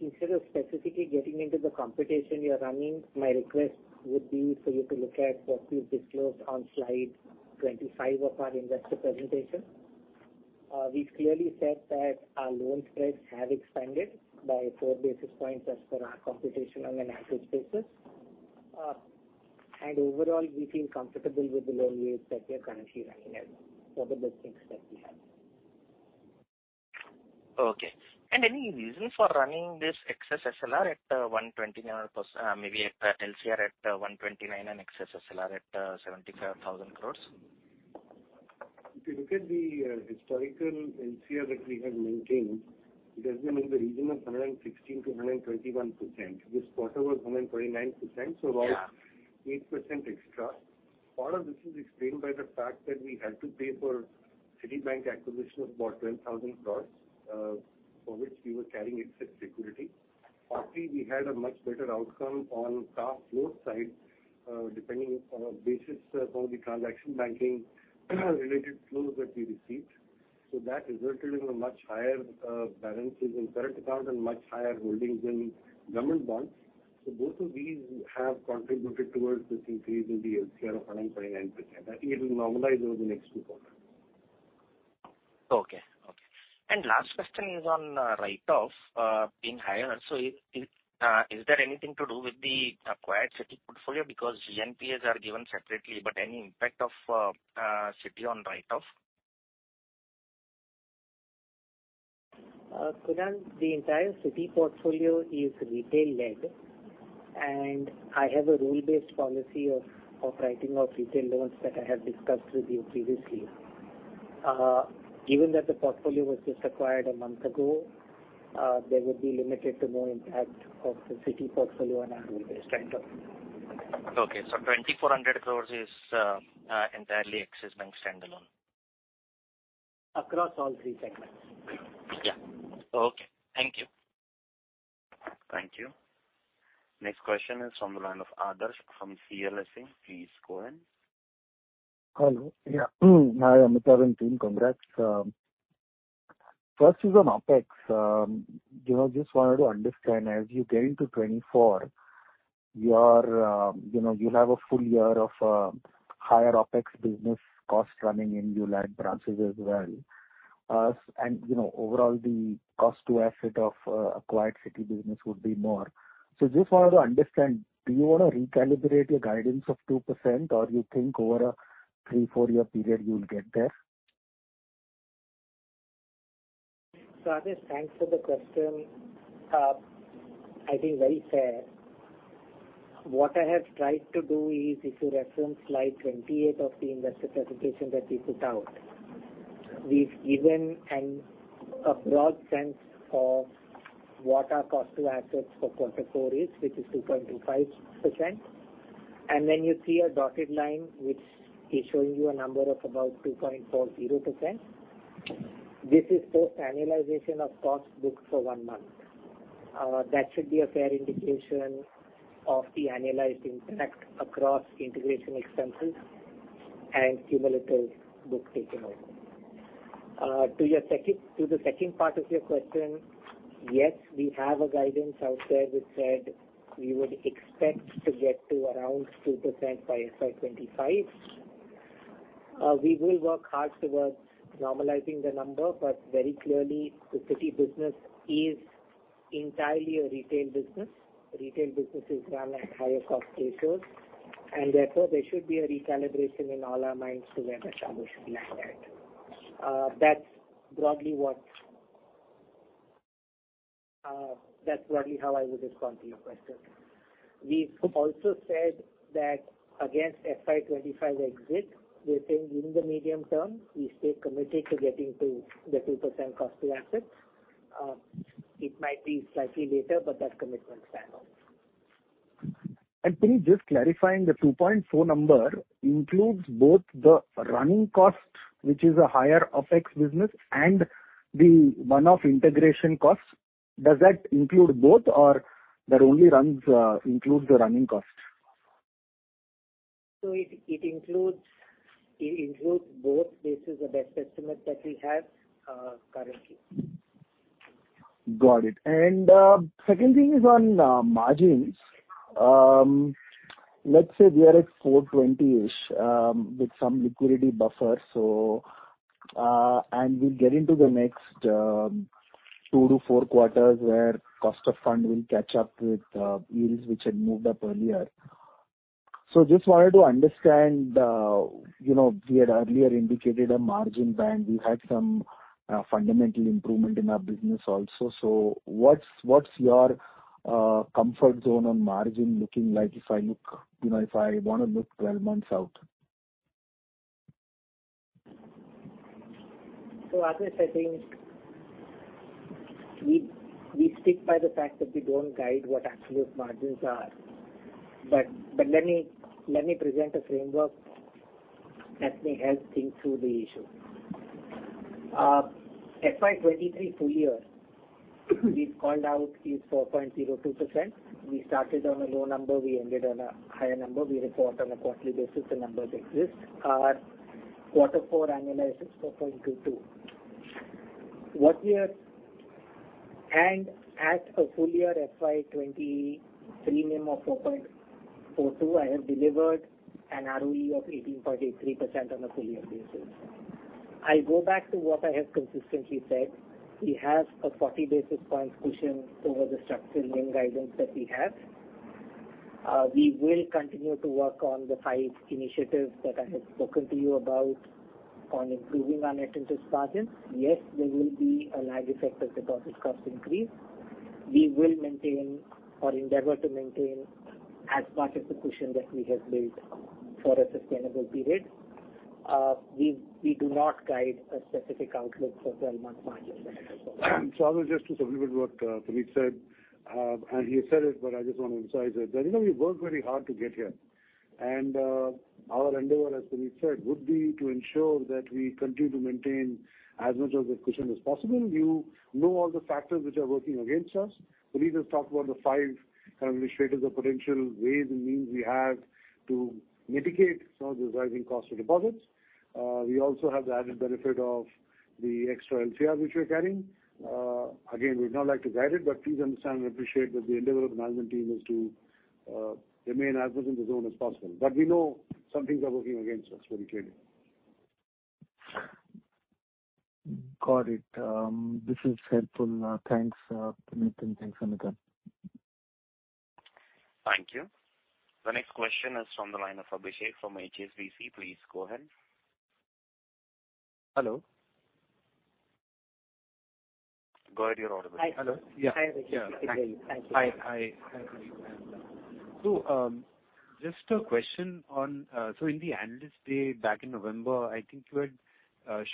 instead of specifically getting into the computation you're running, my request would be for you to look at what we've disclosed on slide 25 of our investor presentation. We've clearly said that our loan spreads have expanded by 4 basis points as per our computation on an average basis. Overall, we feel comfortable with the loan rates that we're currently running at for the book mix that we have. Okay. Any reason for running this excess SLR at 129%, maybe at LCR at 129 and excess SLR at 75,000 crore? If you look at the historical LCR that we have maintained, it has been in the region of 116%-121%. This quarter was 129%. Yeah. About 8% extra. Part of this is explained by the fact that we had to pay for Citibank acquisition of about 10,000 crores for which we were carrying excess security. Partly, we had a much better outcome on cash flow side, depending on a basis for the transaction banking related flows that we received. That resulted in a much higher balances in current account and much higher holdings in government bonds. Both of these have contributed towards this increase in the LCR of 129%. I think it will normalize over the next two quarters. Okay. Okay. Last question is on write-off being higher. Is there anything to do with the acquired Citi portfolio? Because GNPAs are given separately, but any impact of Citi on write-off? Kunal, the entire Citi portfolio is retail led. I have a rule-based policy of writing off retail loans that I have discussed with you previously. Given that the portfolio was just acquired a month ago, there would be limited to no impact of the Citi portfolio on our rule-based write-off. Okay. 2,400 crores is entirely Axis Bank standalone. Across all three segments. Yeah. Okay. Thank you. Thank you. Next question is from the line of Adarsh from CLSA. Please go ahead. Hello. Yeah. Hi, Amitabh Team. Congrats. First is on OpEx. you know, just wanted to understand as you get into 2024, your, you know, you'll have a full year of, higher OpEx business costs running in new line branches as well. you know, overall the cost to asset of, acquired Citi Business would be more. just wanted to understand, do you wanna recalibrate your guidance of 2%, or you think over a three, four-year period you'll get there? Adarsh, thanks for the question. I think very fair. What I have tried to do is if you reference slide 28 of the investor presentation that we put out, we've given an, a broad sense of what our cost to assets for [Q4] is, which is 2.25%. Then you see a dotted line which is showing you a number of about 2.40%. This is post annualization of costs booked for one month. That should be a fair indication of the annualized impact across integration expenses and cumulative books taken over. To the second part of your question, yes, we have a guidance out there which said we would expect to get to around 2% by FY2025. We will work hard towards normalizing the number, very clearly, the Citi Business is entirely a retail business. Retail business is run at higher cost ratios, and therefore, there should be a recalibration in all our minds to where [NIM] should land at. That's broadly how I would respond to your question. We've also said that against FY2025 exit, we're saying in the medium term we stay committed to getting to the 2% cost to assets. It might be slightly later, but that commitment stands. Puneet, just clarifying the 2.4 number includes both the running cost, which is a higher OpEx business, and the one-off integration costs. Does that include both or that only runs includes the running costs? It includes both. This is the best estimate that we have, currently. Got it. second thing is on margins. let's say we are at 420-ish with some liquidity buffer. we'll get into the next two to four quarters where cost of fund will catch up with yields which had moved up earlier. just wanted to understand, you know, we had earlier indicated a margin band. We had some fundamental improvement in our business also. what's your comfort zone on margin looking like if I look, you know, if I wanna look 12 months out? Adarsh, I think we stick by the fact that we don't guide what absolute margins are. Let me present a framework that may help think through the issue. FY2023 full year we've called out is 4.02%. We started on a low number, we ended on a higher number. We report on a quarterly basis, the numbers exist. Our Q4 annualize is 4.22%. At a full year FY2023 NIM of 4.42%, I have delivered an ROE of 18.83% on a full year basis. I go back to what I have consistently said. We have a 40 basis points cushion over the structured NIM guidance that we have. We will continue to work on the five initiatives that I have spoken to you about on improving our net interest margins. Yes, there will be a lag effect as deposit costs increase. We will maintain or endeavor to maintain as part of the cushion that we have built for a sustainable period. We do not guide a specific outlook for 12-month margins ahead. I'll just to supplement what Puneet said, and he said it, but I just wanna emphasize it. You know, we worked very hard to get here and our endeavor, as Puneet said, would be to ensure that we continue to maintain as much of the cushion as possible. You know all the factors which are working against us. Puneet has talked about the five kind of initiatives or potential ways and means we have to mitigate some of the rising cost of deposits. We also have the added benefit of the extra LCR which we're carrying. Again, we'd not like to guide it, but please understand and appreciate that the endeavor of the management team is to remain as much in the zone as possible. We know some things are working against us very clearly. Got it. This is helpful. Thanks, Puneet, and thanks, Amitabh. Thank you. The next question is from the line of Abhishek from HSBC. Please go ahead. Hello? Go ahead, you're audible. Hello? Yeah. Hi, Abhishek. How are you? Thank you. Hi. Hi. How are you? Just a question on, in the analyst day back in November, I think you had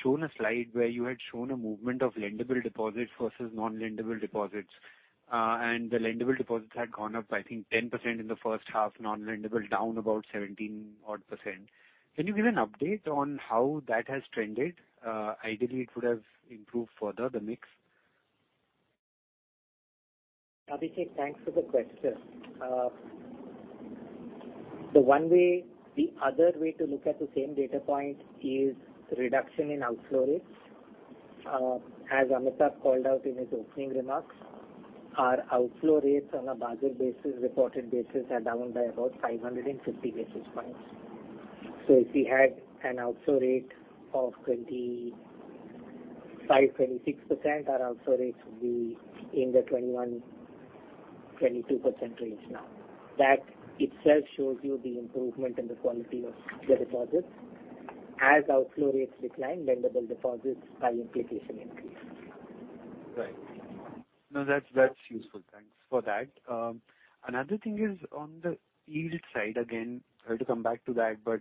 shown a slide where you had shown a movement of lendable deposits versus non-lendable deposits. The lendable deposits had gone up, I think 10% in the first half, non-lendable down about 17 odd percent. Can you give an update on how that has trended? Ideally it would have improved further, the mix. Abhishek, thanks for the question. The one way, the other way to look at the same data point is reduction in outflow rates. As Amitabh called out in his opening remarks, our outflow rates on a Basel basis, reported basis are down by about 550 basis points. If we had an outflow rate of 25%-26%, our outflow rates would be in the 21%-22% range now. That itself shows you the improvement in the quality of the deposits. As outflow rates decline, lendable deposits by implication increase. Right. No, that's useful. Thanks for that. Another thing is on the yield side, again, I have to come back to that, but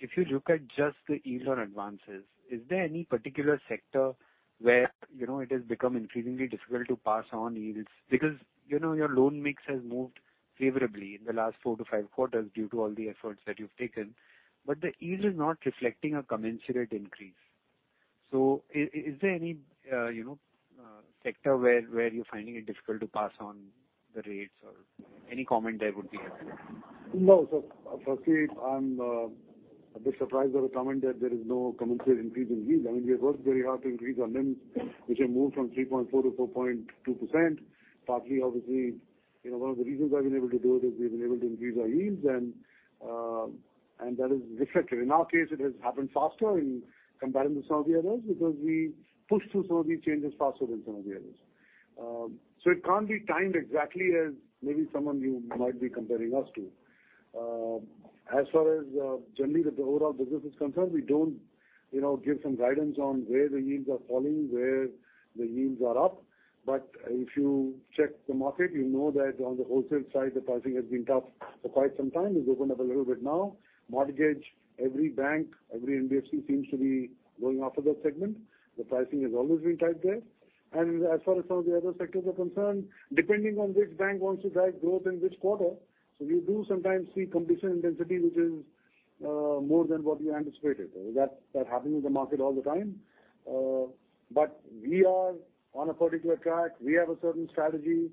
if you look at just the yield on advances, is there any particular sector where, you know, it has become increasingly difficult to pass on yields? You know, your loan mix has moved favorably in the last four to five quarters due to all the efforts that you've taken, but the yield is not reflecting a commensurate increase. Is there any, you know, sector where you're finding it difficult to pass on the rates or any comment there would be helpful? No. Firstly, I'm a bit surprised by the comment that there is no commensurate increase in yield. I mean, we have worked very hard to increase our NIMs, which have moved from 3.4%-4.2%. Partly obviously, you know, one of the reasons I've been able to do it is we've been able to increase our yields and that is reflected. In our case, it has happened faster in comparison to some of the others because we pushed through some of these changes faster than some of the others. It can't be timed exactly as maybe someone you might be comparing us to. As far as generally the overall business is concerned, we don't, you know, give some guidance on where the yields are falling, where the yields are up. If you check the market, you know that on the wholesale side, the pricing has been tough for quite some time. It's opened up a little bit now. Mortgage, every bank, every NBFC seems to be going after that segment. The pricing has always been tight there. As far as some of the other sectors are concerned, depending on which bank wants to drive growth in which quarter. We do sometimes see competition intensity, which is more than what we anticipated. That happens in the market all the time. We are on a particular track. We have a certain strategy.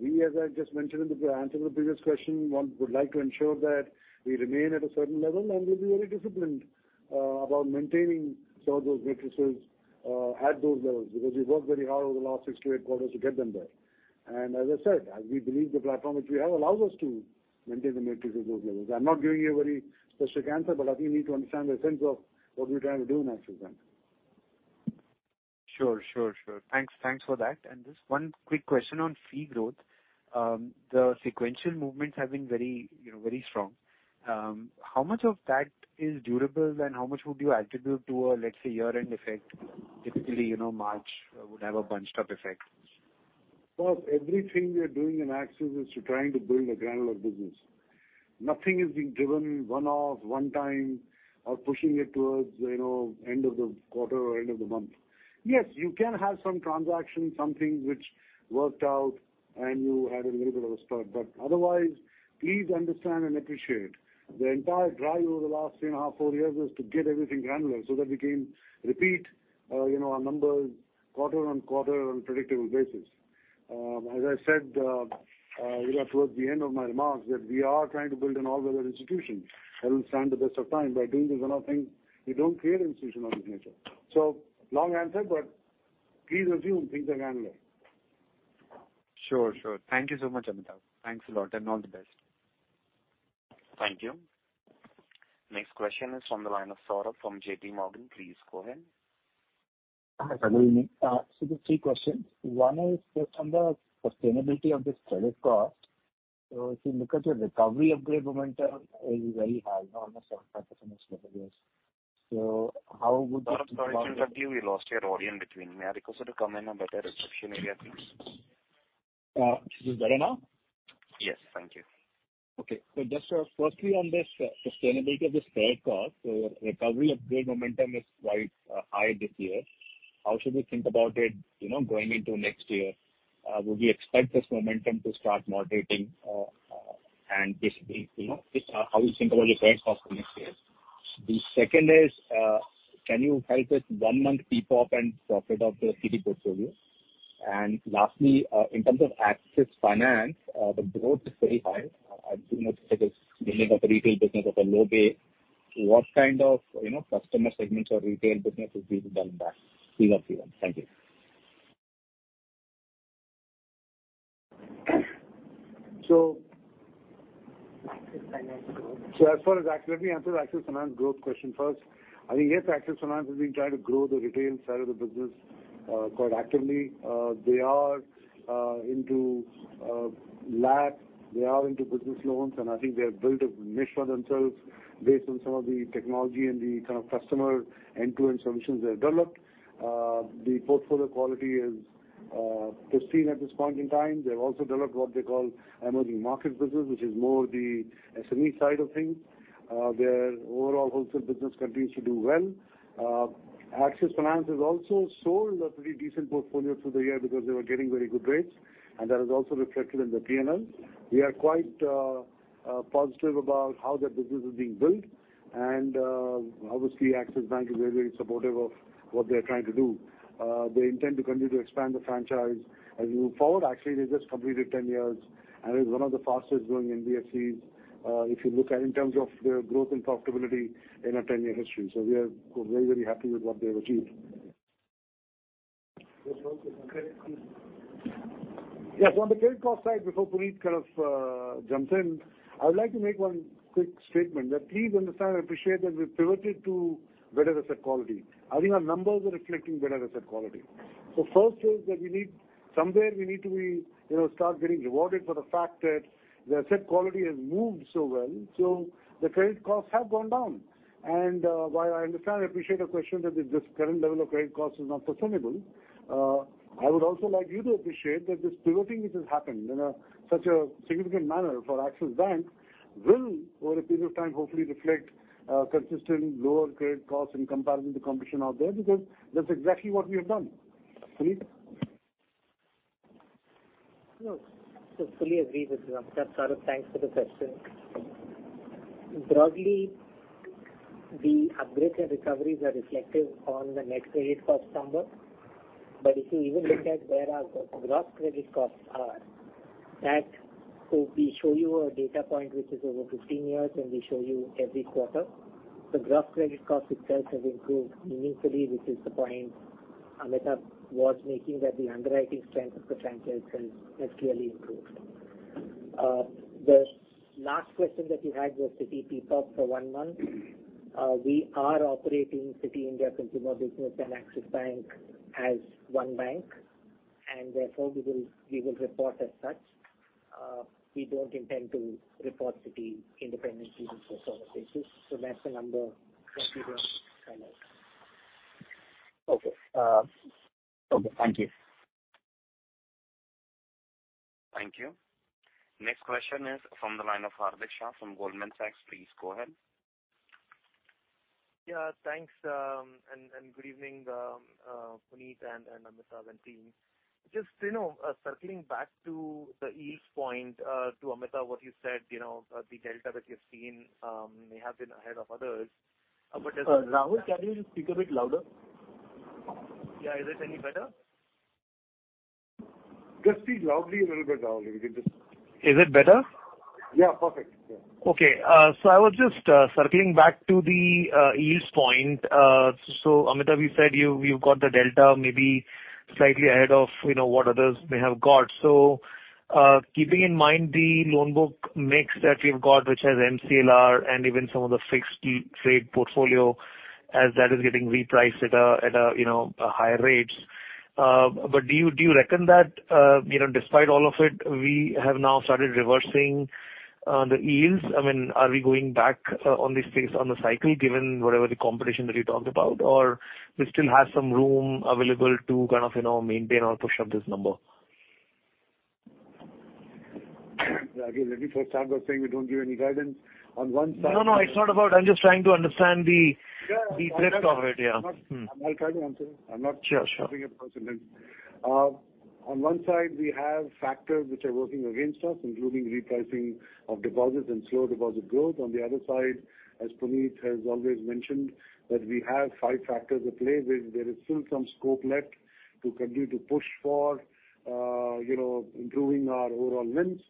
We, as I just mentioned in the answer to the previous question, one would like to ensure that we remain at a certain level, and we'll be very disciplined about maintaining some of those matrices at those levels, because we've worked very hard over the last six to eight quarters to get them there. As I said, as we believe the platform which we have allows us to maintain the matrix at those levels. I'm not giving you a very specific answer, but I think you need to understand the sense of what we're trying to do in Axis Bank. Sure, sure. Thanks, thanks for that. Just one quick question on fee growth. The sequential movements have been very, you know, very strong. How much of that is durable and how much would you attribute to a, let's say, year-end effect? Typically, you know, March would have a bunched up effect. Well, everything we are doing in Axis is to trying to build a granular business. Nothing is being driven one-off, one time or pushing it towards, you know, end of the quarter or end of the month. Yes, you can have some transactions, some things which worked out and you had a little bit of a start. Otherwise, please understand and appreciate the entire drive over the last three and a half, four years is to get everything granular so that we can repeat, you know, our numbers quarter on quarter on predictable basis. As I said, you know, towards the end of my remarks that we are trying to build an all-weather institution that will stand the test of time. By doing these one-off things, you don't create an institution of this nature. Long answer, but please assume things are granular. Sure, sure. Thank you so much, Amitabh. Thanks a lot. All the best. Thank you. Next question is from the line of Saurabh from JPMorgan. Please go ahead. Hi, good evening. Just three questions. One is just on the sustainability of this credit cost. If you look at your recovery upgrade momentum is very high, you know, almost 7.5% at this level years. how would. Saurabh, sorry to interrupt you. We lost your audio in between. May I request you to come in a better reception area, please? Is this better now? Yes. Thank you. Okay. Just, firstly on this, sustainability of this credit cost. Recovery upgrade momentum is quite high this year. How should we think about it, you know, going into next year? Would we expect this momentum to start moderating, and basically, you know, just, how we think about your credit cost for next year? The second is, can you help with 1 month PPOP and profit of the Citi portfolio? Lastly, in terms of Axis Finance, the growth is very high. I do not know if it is building up a retail business of a low base. What kind of, you know, customer segments or retail business is being done there? These are three ones. Thank you. So- Axis Finance growth. Let me answer the Axis Finance growth question first. I think, yes, Axis Finance has been trying to grow the retail side of the business quite actively. They are into LAP. They are into business loans, and I think they have built a niche for themselves based on some of the technology and the kind of customer end-to-end solutions they have developed. The portfolio quality is pristine at this point in time. They've also developed what they call emerging market business, which is more the SME side of things. Their overall wholesale business continues to do well. Axis Finance has also sold a pretty decent portfolio through the year because they were getting very good rates, and that is also reflected in the P&L. We are quite positive about how that business is being built. Obviously Axis Bank is very, very supportive of what they're trying to do. They intend to continue to expand the franchise as we move forward. Actually, they just completed 10 years, and it's one of the fastest growing NBFCs, if you look at in terms of their growth and profitability in a 10-year history. We are, we're very, very happy with what they have achieved. Yes. On the credit cost side, before Puneet kind of jumps in, I would like to make one quick statement, that please understand and appreciate that we've pivoted to better asset quality. I think our numbers are reflecting better asset quality. First is that somewhere we need to be, you know, start getting rewarded for the fact that the asset quality has moved so well, so the credit costs have gone down. While I understand and appreciate the question that this current level of credit cost is not sustainable, I would also like you to appreciate that this pivoting which has happened in such a significant manner for Axis Bank will, over a period of time, hopefully reflect consistent lower credit costs in comparison to competition out there, because that's exactly what we have done. Puneet. Fully agree with Amitabh. Sir, thanks for the question. Broadly, the upgrades and recoveries are reflective on the net credit cost number. If you even look at where our gross credit costs are, that we show you a data point which is over 15 years, and we show you every quarter. The gross credit cost itself has improved meaningfully, which is the point Amitabh was making, that the underwriting strength of the franchise has clearly improved. The last question that you had was Citi PPOP for 1 month. We are operating Citibank India Consumer Business and Axis Bank as one bank, and therefore we will report as such. We don't intend to report Citi independently on a consolidated basis. That's the number that we will come out. Okay. Okay. Thank you. Thank you. Next question is from the line of Hardik Shah from Goldman Sachs. Please go ahead. Thanks, and good evening, Puneet and Amitabh and team. You know, circling back to the ease point to Amitabh, what you said, you know, the delta that you've seen may have been ahead of others. Hardik, can you just speak a bit louder?- Yeah. Is it any better? Just speak loudly a little bit Hardik. If you could just. Is it better? Yeah, perfect. Yeah. Okay. I was just circling back to the ease point. Amitabh, you said you've got the delta maybe slightly ahead of, you know, what others may have got. Keeping in mind the loan book mix that you've got, which has MCLR and even some of the fixed fee trade portfolio as that is getting repriced at a, you know, higher rates. Do you, do you reckon that, you know, despite all of it, we have now started reversing the yields? I mean, are we going back on this phase on the cycle, given whatever the competition that you talked about? We still have some room available to kind of, you know, maintain or push up this number? Again, let me first start by saying we don't give any guidance. No, no, it's not about. I'm just trying to understand. Yeah. the drift of it. Yeah. Mm. I'm trying to answer. Sure, sure. giving a percentage. On one side we have factors which are working against us, including repricing of deposits and slow deposit growth. On the other side, as Puneet has always mentioned, that we have five factors at play where there is still some scope left to continue to push for, you know, improving our overall loans.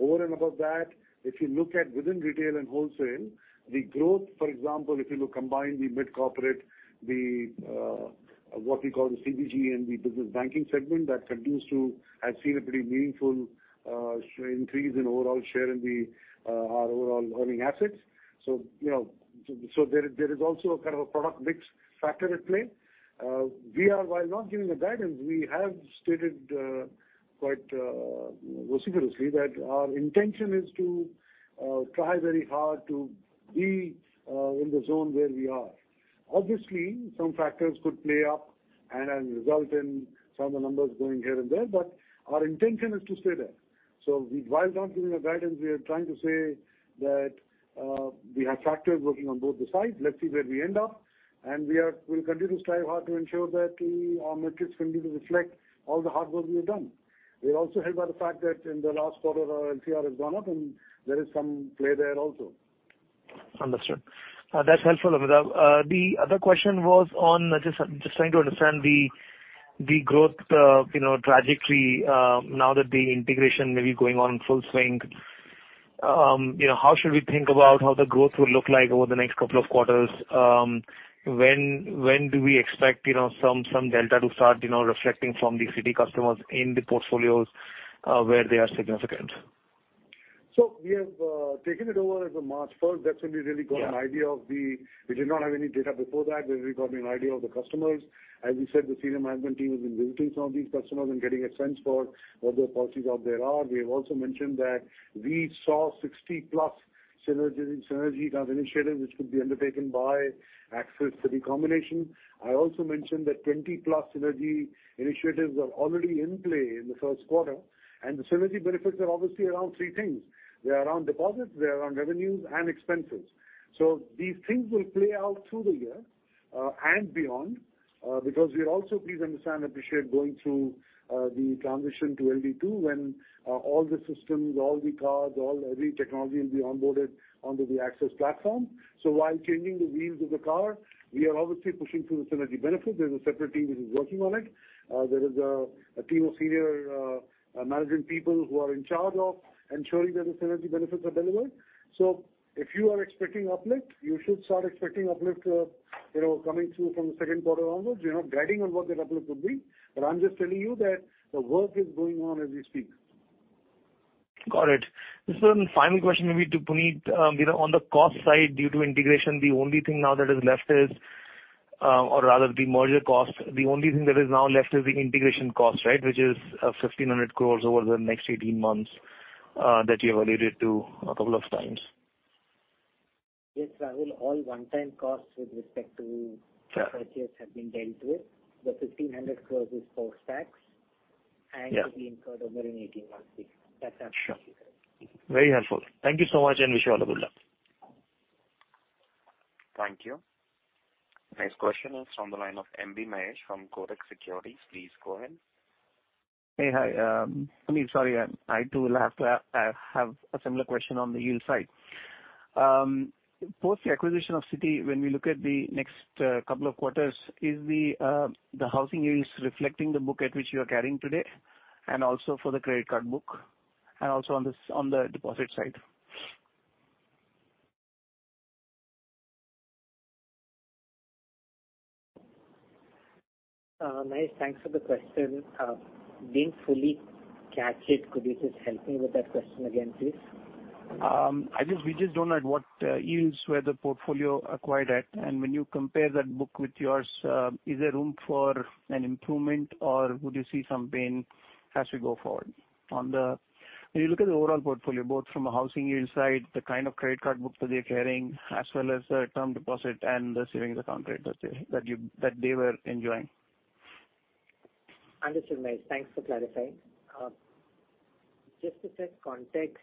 Over and above that, if you look at within retail and wholesale, the growth, for example, if you look combined, the mid-corporate, the what we call the CBG and the business banking segment that continues to have seen a pretty meaningful increase in overall share in our overall earning assets. You know, there is also a kind of a product mix factor at play. We are, while not giving a guidance, we have stated quite vociferously that our intention is to try very hard to be in the zone where we are. Obviously, some factors could play up and result in some of the numbers going here and there, but our intention is to stay there. We, while not giving a guidance, we are trying to say that we have factors working on both the sides. Let's see where we end up. We'll continue to strive hard to ensure that our metrics continue to reflect all the hard work we have done. We're also helped by the fact that in the last quarter our LCR has gone up and there is some play there also. Understood. That's helpful, Amitabh. The other question was on just trying to understand the growth, you know, trajectory, now that the integration may be going on in full swing. You know, how should we think about how the growth will look like over the next couple of quarters? When do we expect, you know, some delta to start, you know, reflecting from the Citi customers in the portfolios, where they are significant? We have, taken it over as of March 1st. That's when we really got an idea. Yeah. We did not have any data before that, where we got an idea of the customers. As we said, the senior management team has been visiting some of these customers and getting a sense for what their policies out there are. We have also mentioned that we saw 60+ synergy kind of initiatives which could be undertaken by Axis for the combination. I also mentioned that 20+ synergy initiatives are already in play in the first quarter. The synergy benefits are obviously around three things. They are around deposits, they are around revenues and expenses. These things will play out through the year, and beyond, because we're also, please understand, appreciate going through the transition to LD2 when all the systems, all the cards, every technology will be onboarded onto the Axis platform. While changing the wheels of the car, we are obviously pushing through the synergy benefits. There's a separate team which is working on it. There is a team of senior managing people who are in charge of ensuring that the synergy benefits are delivered. If you are expecting uplift, you should start expecting uplift, you know, coming through from the second quarter onwards. We're not guiding on what that uplift would be. I'm just telling you that the work is going on as we speak. Got it. Just one final question maybe to Puneet. You know, on the cost side due to integration, the only thing now that is left is, or rather the merger cost, the only thing that is now left is the integration cost, right? Which is 1,500 crore over the next 18 months, that you have alluded to a couple of times. Yes, Shah, all one-time costs with respect to. Sure. Purchases have been dealt with. The 1,500 crores is for stacks. Yeah. To be incurred over an 18-month period. That's absolutely correct. Sure. Very helpful. Thank you so much. Wish you all good luck. Thank you. Next question is from the line of M.B. Mahesh from Kotak Securities. Please go ahead. Hey. Hi, Puneet. Sorry, I too will have to have a similar question on the yield side. Post the acquisition of Citi, when we look at the next couple of quarters, is the the housing yields reflecting the book at which you are carrying today, and also for the credit card book, and also on the on the deposit side? Mahesh, thanks for the question. Didn't fully catch it. Could you just help me with that question again, please? We just don't know at what yields were the portfolio acquired at. When you compare that book with yours, is there room for an improvement, or would you see some pain as we go forward? When you look at the overall portfolio, both from a housing yield side, the kind of credit card book that they're carrying, as well as the term deposit and the savings account rate that they were enjoying. Understood, Mahesh. Thanks for clarifying. Just to set context,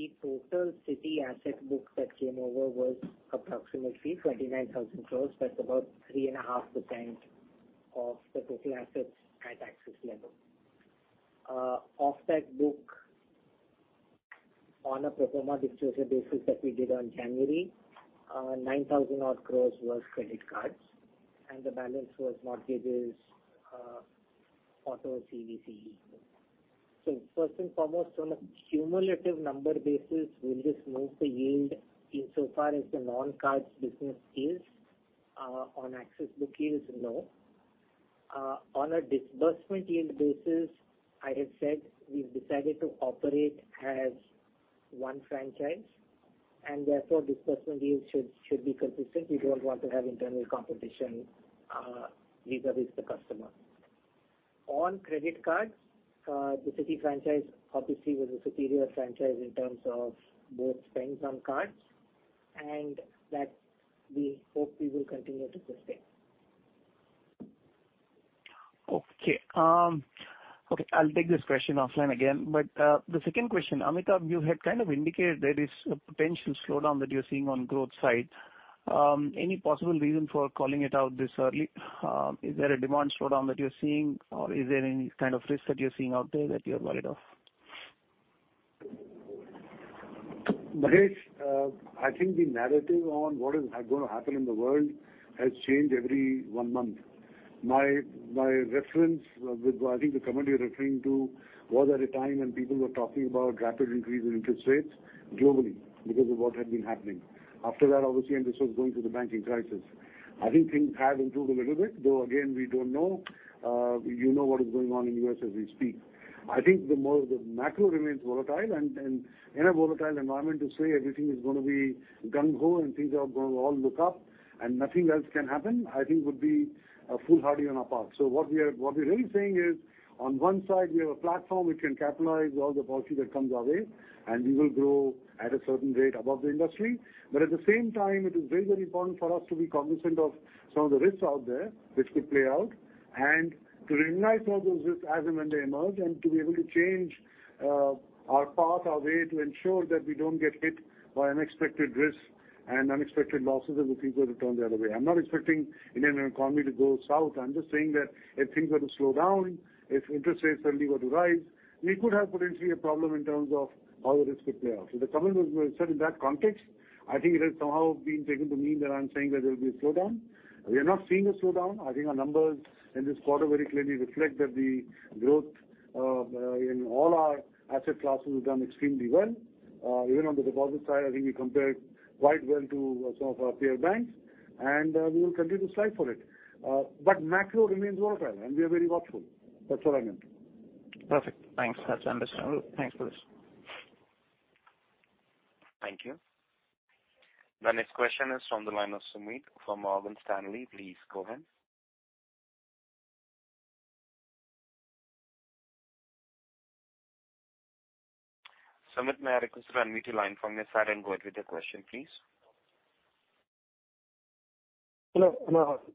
the total Citi asset book that came over was approximately 29,000 crores. That's about 3.5% of the total assets at Axis level. Of that book, on a pro forma disclosure basis that we did on January, 9,000 odd crores was credit cards and the balance was mortgages, auto CVC. First and foremost, on a cumulative number basis, will this move the yield insofar as the non-cards business is on Axis book yield? No. On a disbursement yield basis, I have said we've decided to operate as one franchise, and therefore disbursement yields should be consistent. We don't want to have internal competition vis-à-vis the customer. On credit cards, the Citi franchise obviously was a superior franchise in terms of both spend on cards and that we hope we will continue to sustain. Okay. Okay, I'll take this question offline again. The second question, Amitabh, you had kind of indicated there is a potential slowdown that you're seeing on growth side. Any possible reason for calling it out this early? Is there a demand slowdown that you're seeing, or is there any kind of risk that you're seeing out there that you're worried of? Mahesh, I think the narrative on what is going to happen in the world has changed every one month. My, my reference with, I think the comment you're referring to was at a time when people were talking about rapid increase in interest rates globally because of what had been happening. After that, obviously, and this was going through the banking crisis. I think things have improved a little bit, though again, we don't know. You know what is going on in U.S. as we speak. I think the more the macro remains volatile and in a volatile environment to say everything is gonna be gung ho and things are gonna all look up and nothing else can happen, I think would be a foolhardy on our part. What we're really saying is, on one side, we have a platform which can capitalize all the bounty that comes our way, and we will grow at a certain rate above the industry. At the same time, it is very, very important for us to be cognizant of some of the risks out there which could play out and to recognize all those risks as and when they emerge, and to be able to change our path, our way to ensure that we don't get hit by unexpected risks and unexpected losses as the things were to turn the other way. I'm not expecting Indian economy to go south. I'm just saying that if things were to slow down, if interest rates suddenly were to rise, we could have potentially a problem in terms of how the risks could play out. The comment was said in that context. I think it has somehow been taken to mean that I'm saying that there will be a slowdown. We are not seeing a slowdown. I think our numbers in this quarter very clearly reflect that the growth in all our asset classes has done extremely well. Even on the deposit side, I think we compared quite well to some of our peer banks, and we will continue to strive for it. Macro remains volatile, and we are very watchful. That's all I meant. Perfect. Thanks. That's understandable. Thanks for this. Thank you. The next question is from the line of Sumit from Morgan Stanley. Please go ahead. Sumit, may I request you unmute your line from your side and go ahead with your question, please. Hello. Am I audible?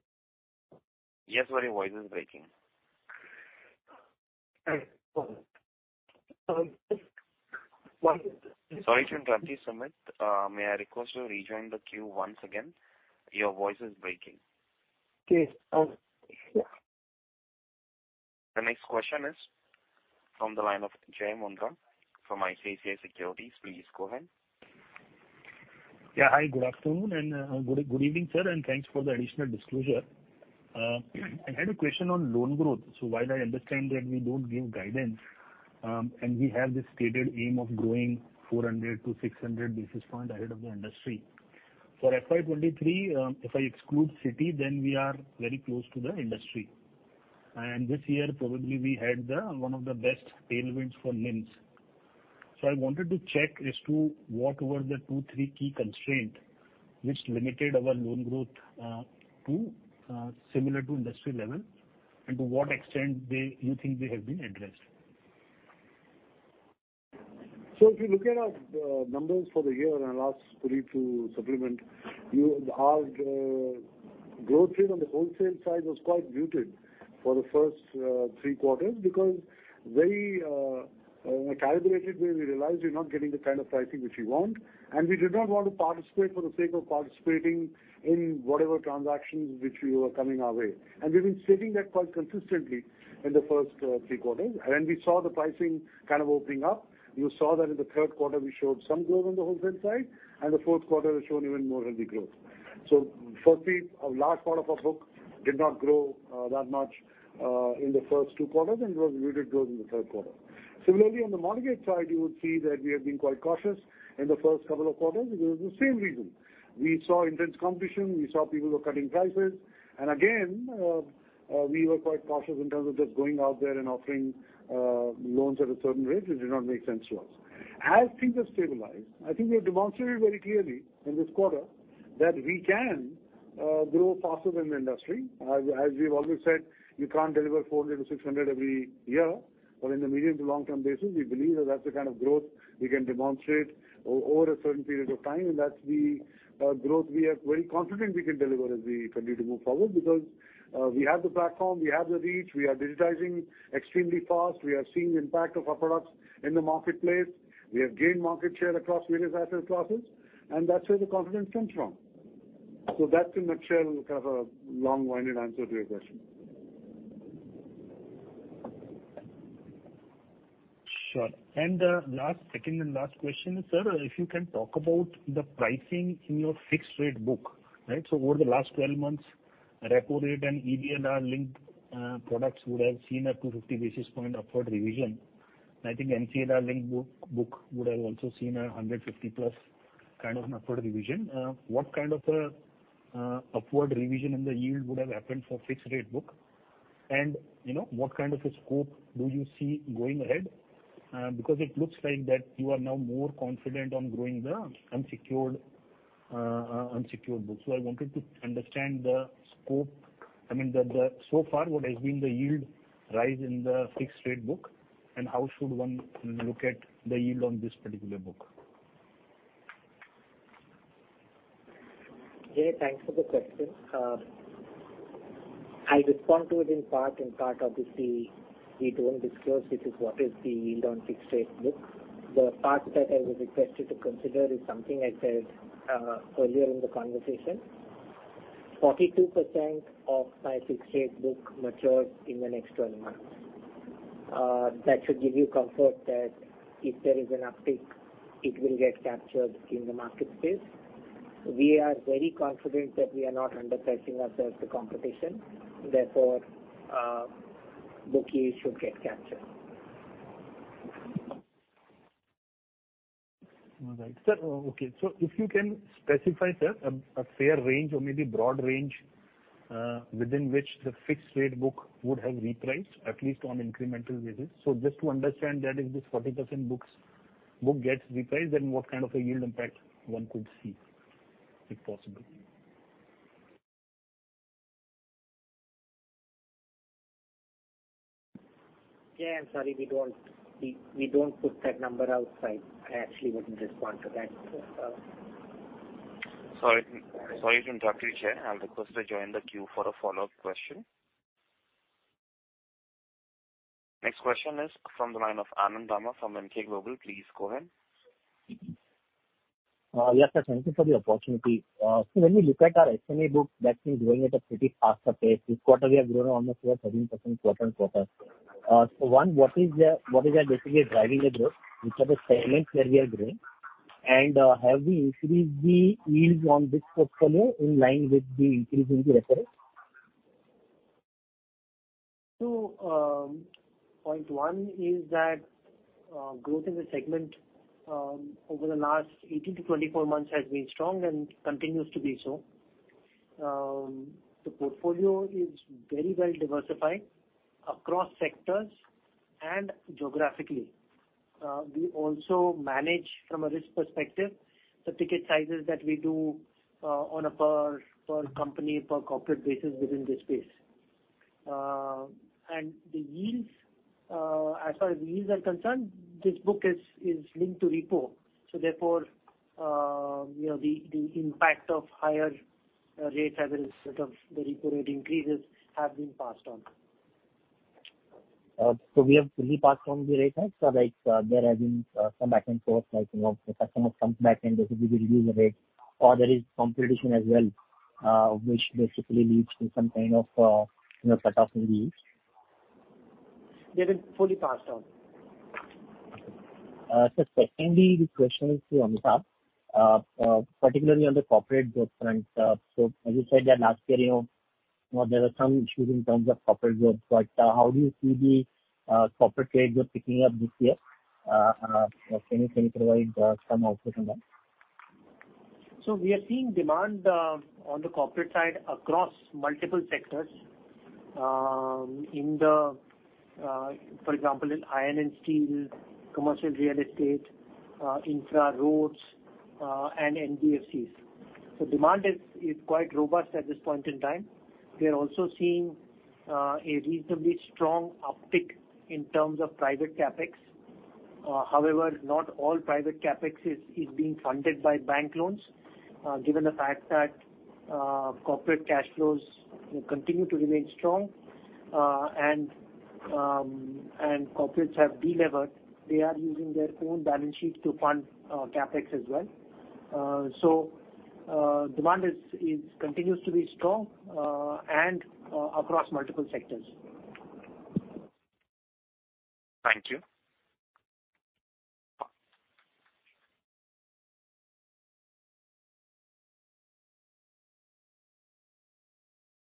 Yes. Sorry, your voice is breaking. Sorry to interrupt you, Sumit. May I request you to rejoin the queue once again? Your voice is breaking. Okay. Yeah. The next question is from the line of Jai Mundhra from ICICI Securities. Please go ahead.+ Yeah. Hi. Good afternoon and good evening, sir, and thanks for the additional disclosure. I had a question on loan growth. While I understand that we don't give guidance, and we have this stated aim of growing 400-600 basis point ahead of the industry. For FY2023, if I exclude Citi, then we are very close to the industry. This year probably we had the one of the best tailwinds for NIMs. I wanted to check as to what were the 2, 3 key constraint which limited our loan growth to similar to industry level and to what extent you think they have been addressed. If you look at our numbers for the year and I'll ask Puneet to supplement, you, our growth rate on the wholesale side was quite muted for the first three quarters because very calibrated way we realized we're not getting the kind of pricing which we want, and we did not want to participate for the sake of participating in whatever transactions which were coming our way. We've been stating that quite consistently in the first three quarters. We saw the pricing kind of opening up. You saw that in the third quarter we showed some growth on the wholesale side, and the fourth quarter has shown even more healthy growth. For me, a large part of our book did not grow that much in the first two quarters and was muted growth in the third quarter. Similarly, on the mortgage side, you would see that we have been quite cautious in the first couple of quarters because of the same reason. We saw intense competition, we saw people were cutting prices, and again, we were quite cautious in terms of just going out there and offering loans at a certain rate. It did not make sense to us. As things have stabilized, I think we've demonstrated very clearly in this quarter that we can grow faster than the industry. As we've always said, you can't deliver 400-600 every year. In the medium to long term basis, we believe that that's the kind of growth we can demonstrate over a certain period of time, and that's the growth we are very confident we can deliver as we continue to move forward because we have the platform, we have the reach, we are digitizing extremely fast. We are seeing the impact of our products in the marketplace. We have gained market share across various asset classes, and that's where the confidence comes from. That's in a nutshell, kind of a long-winded answer to your question. Sure. Last, second and last question is, sir, if you can talk about the pricing in your fixed rate book, right? Over the last 12 months, repo rate and EBLR-linked products would have seen a 250 basis point upward revision. I think MCLR-linked book would have also seen a 150+ kind of an upward revision. What kind of an upward revision in the yield would have happened for fixed rate book? You know, what kind of a scope do you see going ahead? Because it looks like that you are now more confident on growing the unsecured book. I wanted to understand the scope. I mean, so far what has been the yield rise in the fixed rate book, and how should one look at the yield on this particular book? Jai, thanks for the question. I'll respond to it in part, in part, obviously, we don't disclose it is what is the yield on fixed rate book. The part that I would request you to consider is something I said earlier in the conversation. 42% of my fixed rate book matures in the next 12 months. That should give you comfort that if there is an uptick, it will get captured in the market space. We are very confident that we are not underpricing ourselves to competition, therefore, bookies should get captured. All right. Sir, okay. If you can specify, sir, a fair range or maybe broad range, within which the fixed rate book would have repriced, at least on incremental basis. Just to understand that if this 40% book gets repriced, then what kind of a yield impact one could see, if possible? Jai, I'm sorry, we don't put that number outside. I actually wouldn't respond to that. Sorry to interrupt you, Jai. I'll request to join the queue for a follow-up question. Next question is from the line of Anand Dama from Emkay Global. Please go ahead. Yes, sir. Thank you for the opportunity. When we look at our SME book, that's been growing at a pretty faster pace. This quarter we have grown almost 13% quarter-on-quarter. What is basically driving the growth? Which are the segments where we are growing? Have we increased the yields on this portfolio in line with the increase in the reference? Point one is that growth in the segment over the last 18-24 months has been strong and continues to be so. The portfolio is very well diversified across sectors and geographically. We also manage from a risk perspective the ticket sizes that we do on a per company, per corporate basis within this space. And the yields, as far as the yields are concerned, this book is linked to repo. Therefore, you know, the impact of higher rates as it of the repo rate increases have been passed on. We have fully passed on the rate hikes or like, there has been some back and forth like, you know, the customer comes back and basically reduce the rate or there is competition as well, which basically leads to some kind of, you know, cut-off in the rates. They've been fully passed on. Secondly, this question is to Amitabh. Particularly on the corporate growth front. As you said that last year, you know, there were some issues in terms of corporate growth, but how do you see the corporate trades are picking up this year? Can you provide some outlook on that? We are seeing demand on the corporate side across multiple sectors, for example, in iron and steel, commercial real estate, infra roads, and NBFCs. Demand is quite robust at this point in time. We are also seeing a reasonably strong uptick in terms of private CapEx. However, not all private CapEx is being funded by bank loans. Given the fact that corporate cash flows continue to remain strong, and corporates have delevered, they are using their own balance sheet to fund CapEx as well. Demand continues to be strong across multiple sectors. Thank you.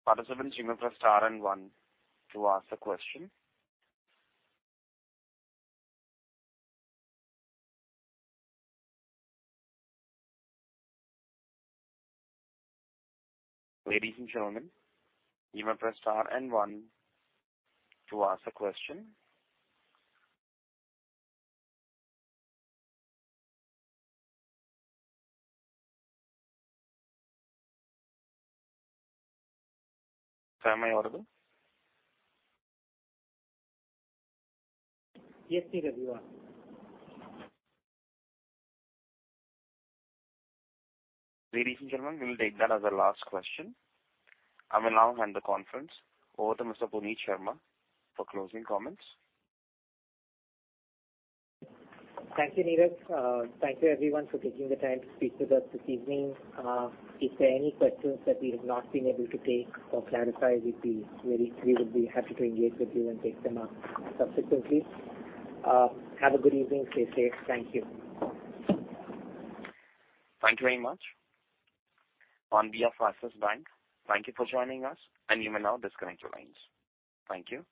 Participants, you may press star and one to ask a question. Ladies and gentlemen, you may press star and one to ask a question. Am I audible? Yes, Neerav, you are. Ladies and gentlemen, we'll take that as our last question. I will now hand the conference over to Mr. Puneet Sharma for closing comments. Thank you, Neerav. Thank you everyone for taking the time to speak with us this evening. If there are any questions that we have not been able to take or clarify, We would be happy to engage with you and take them up subsequently. Have a good evening. Stay safe. Thank you. Thank you very much. On behalf of Axis Bank, thank you for joining us and you may now disconnect your lines. Thank you.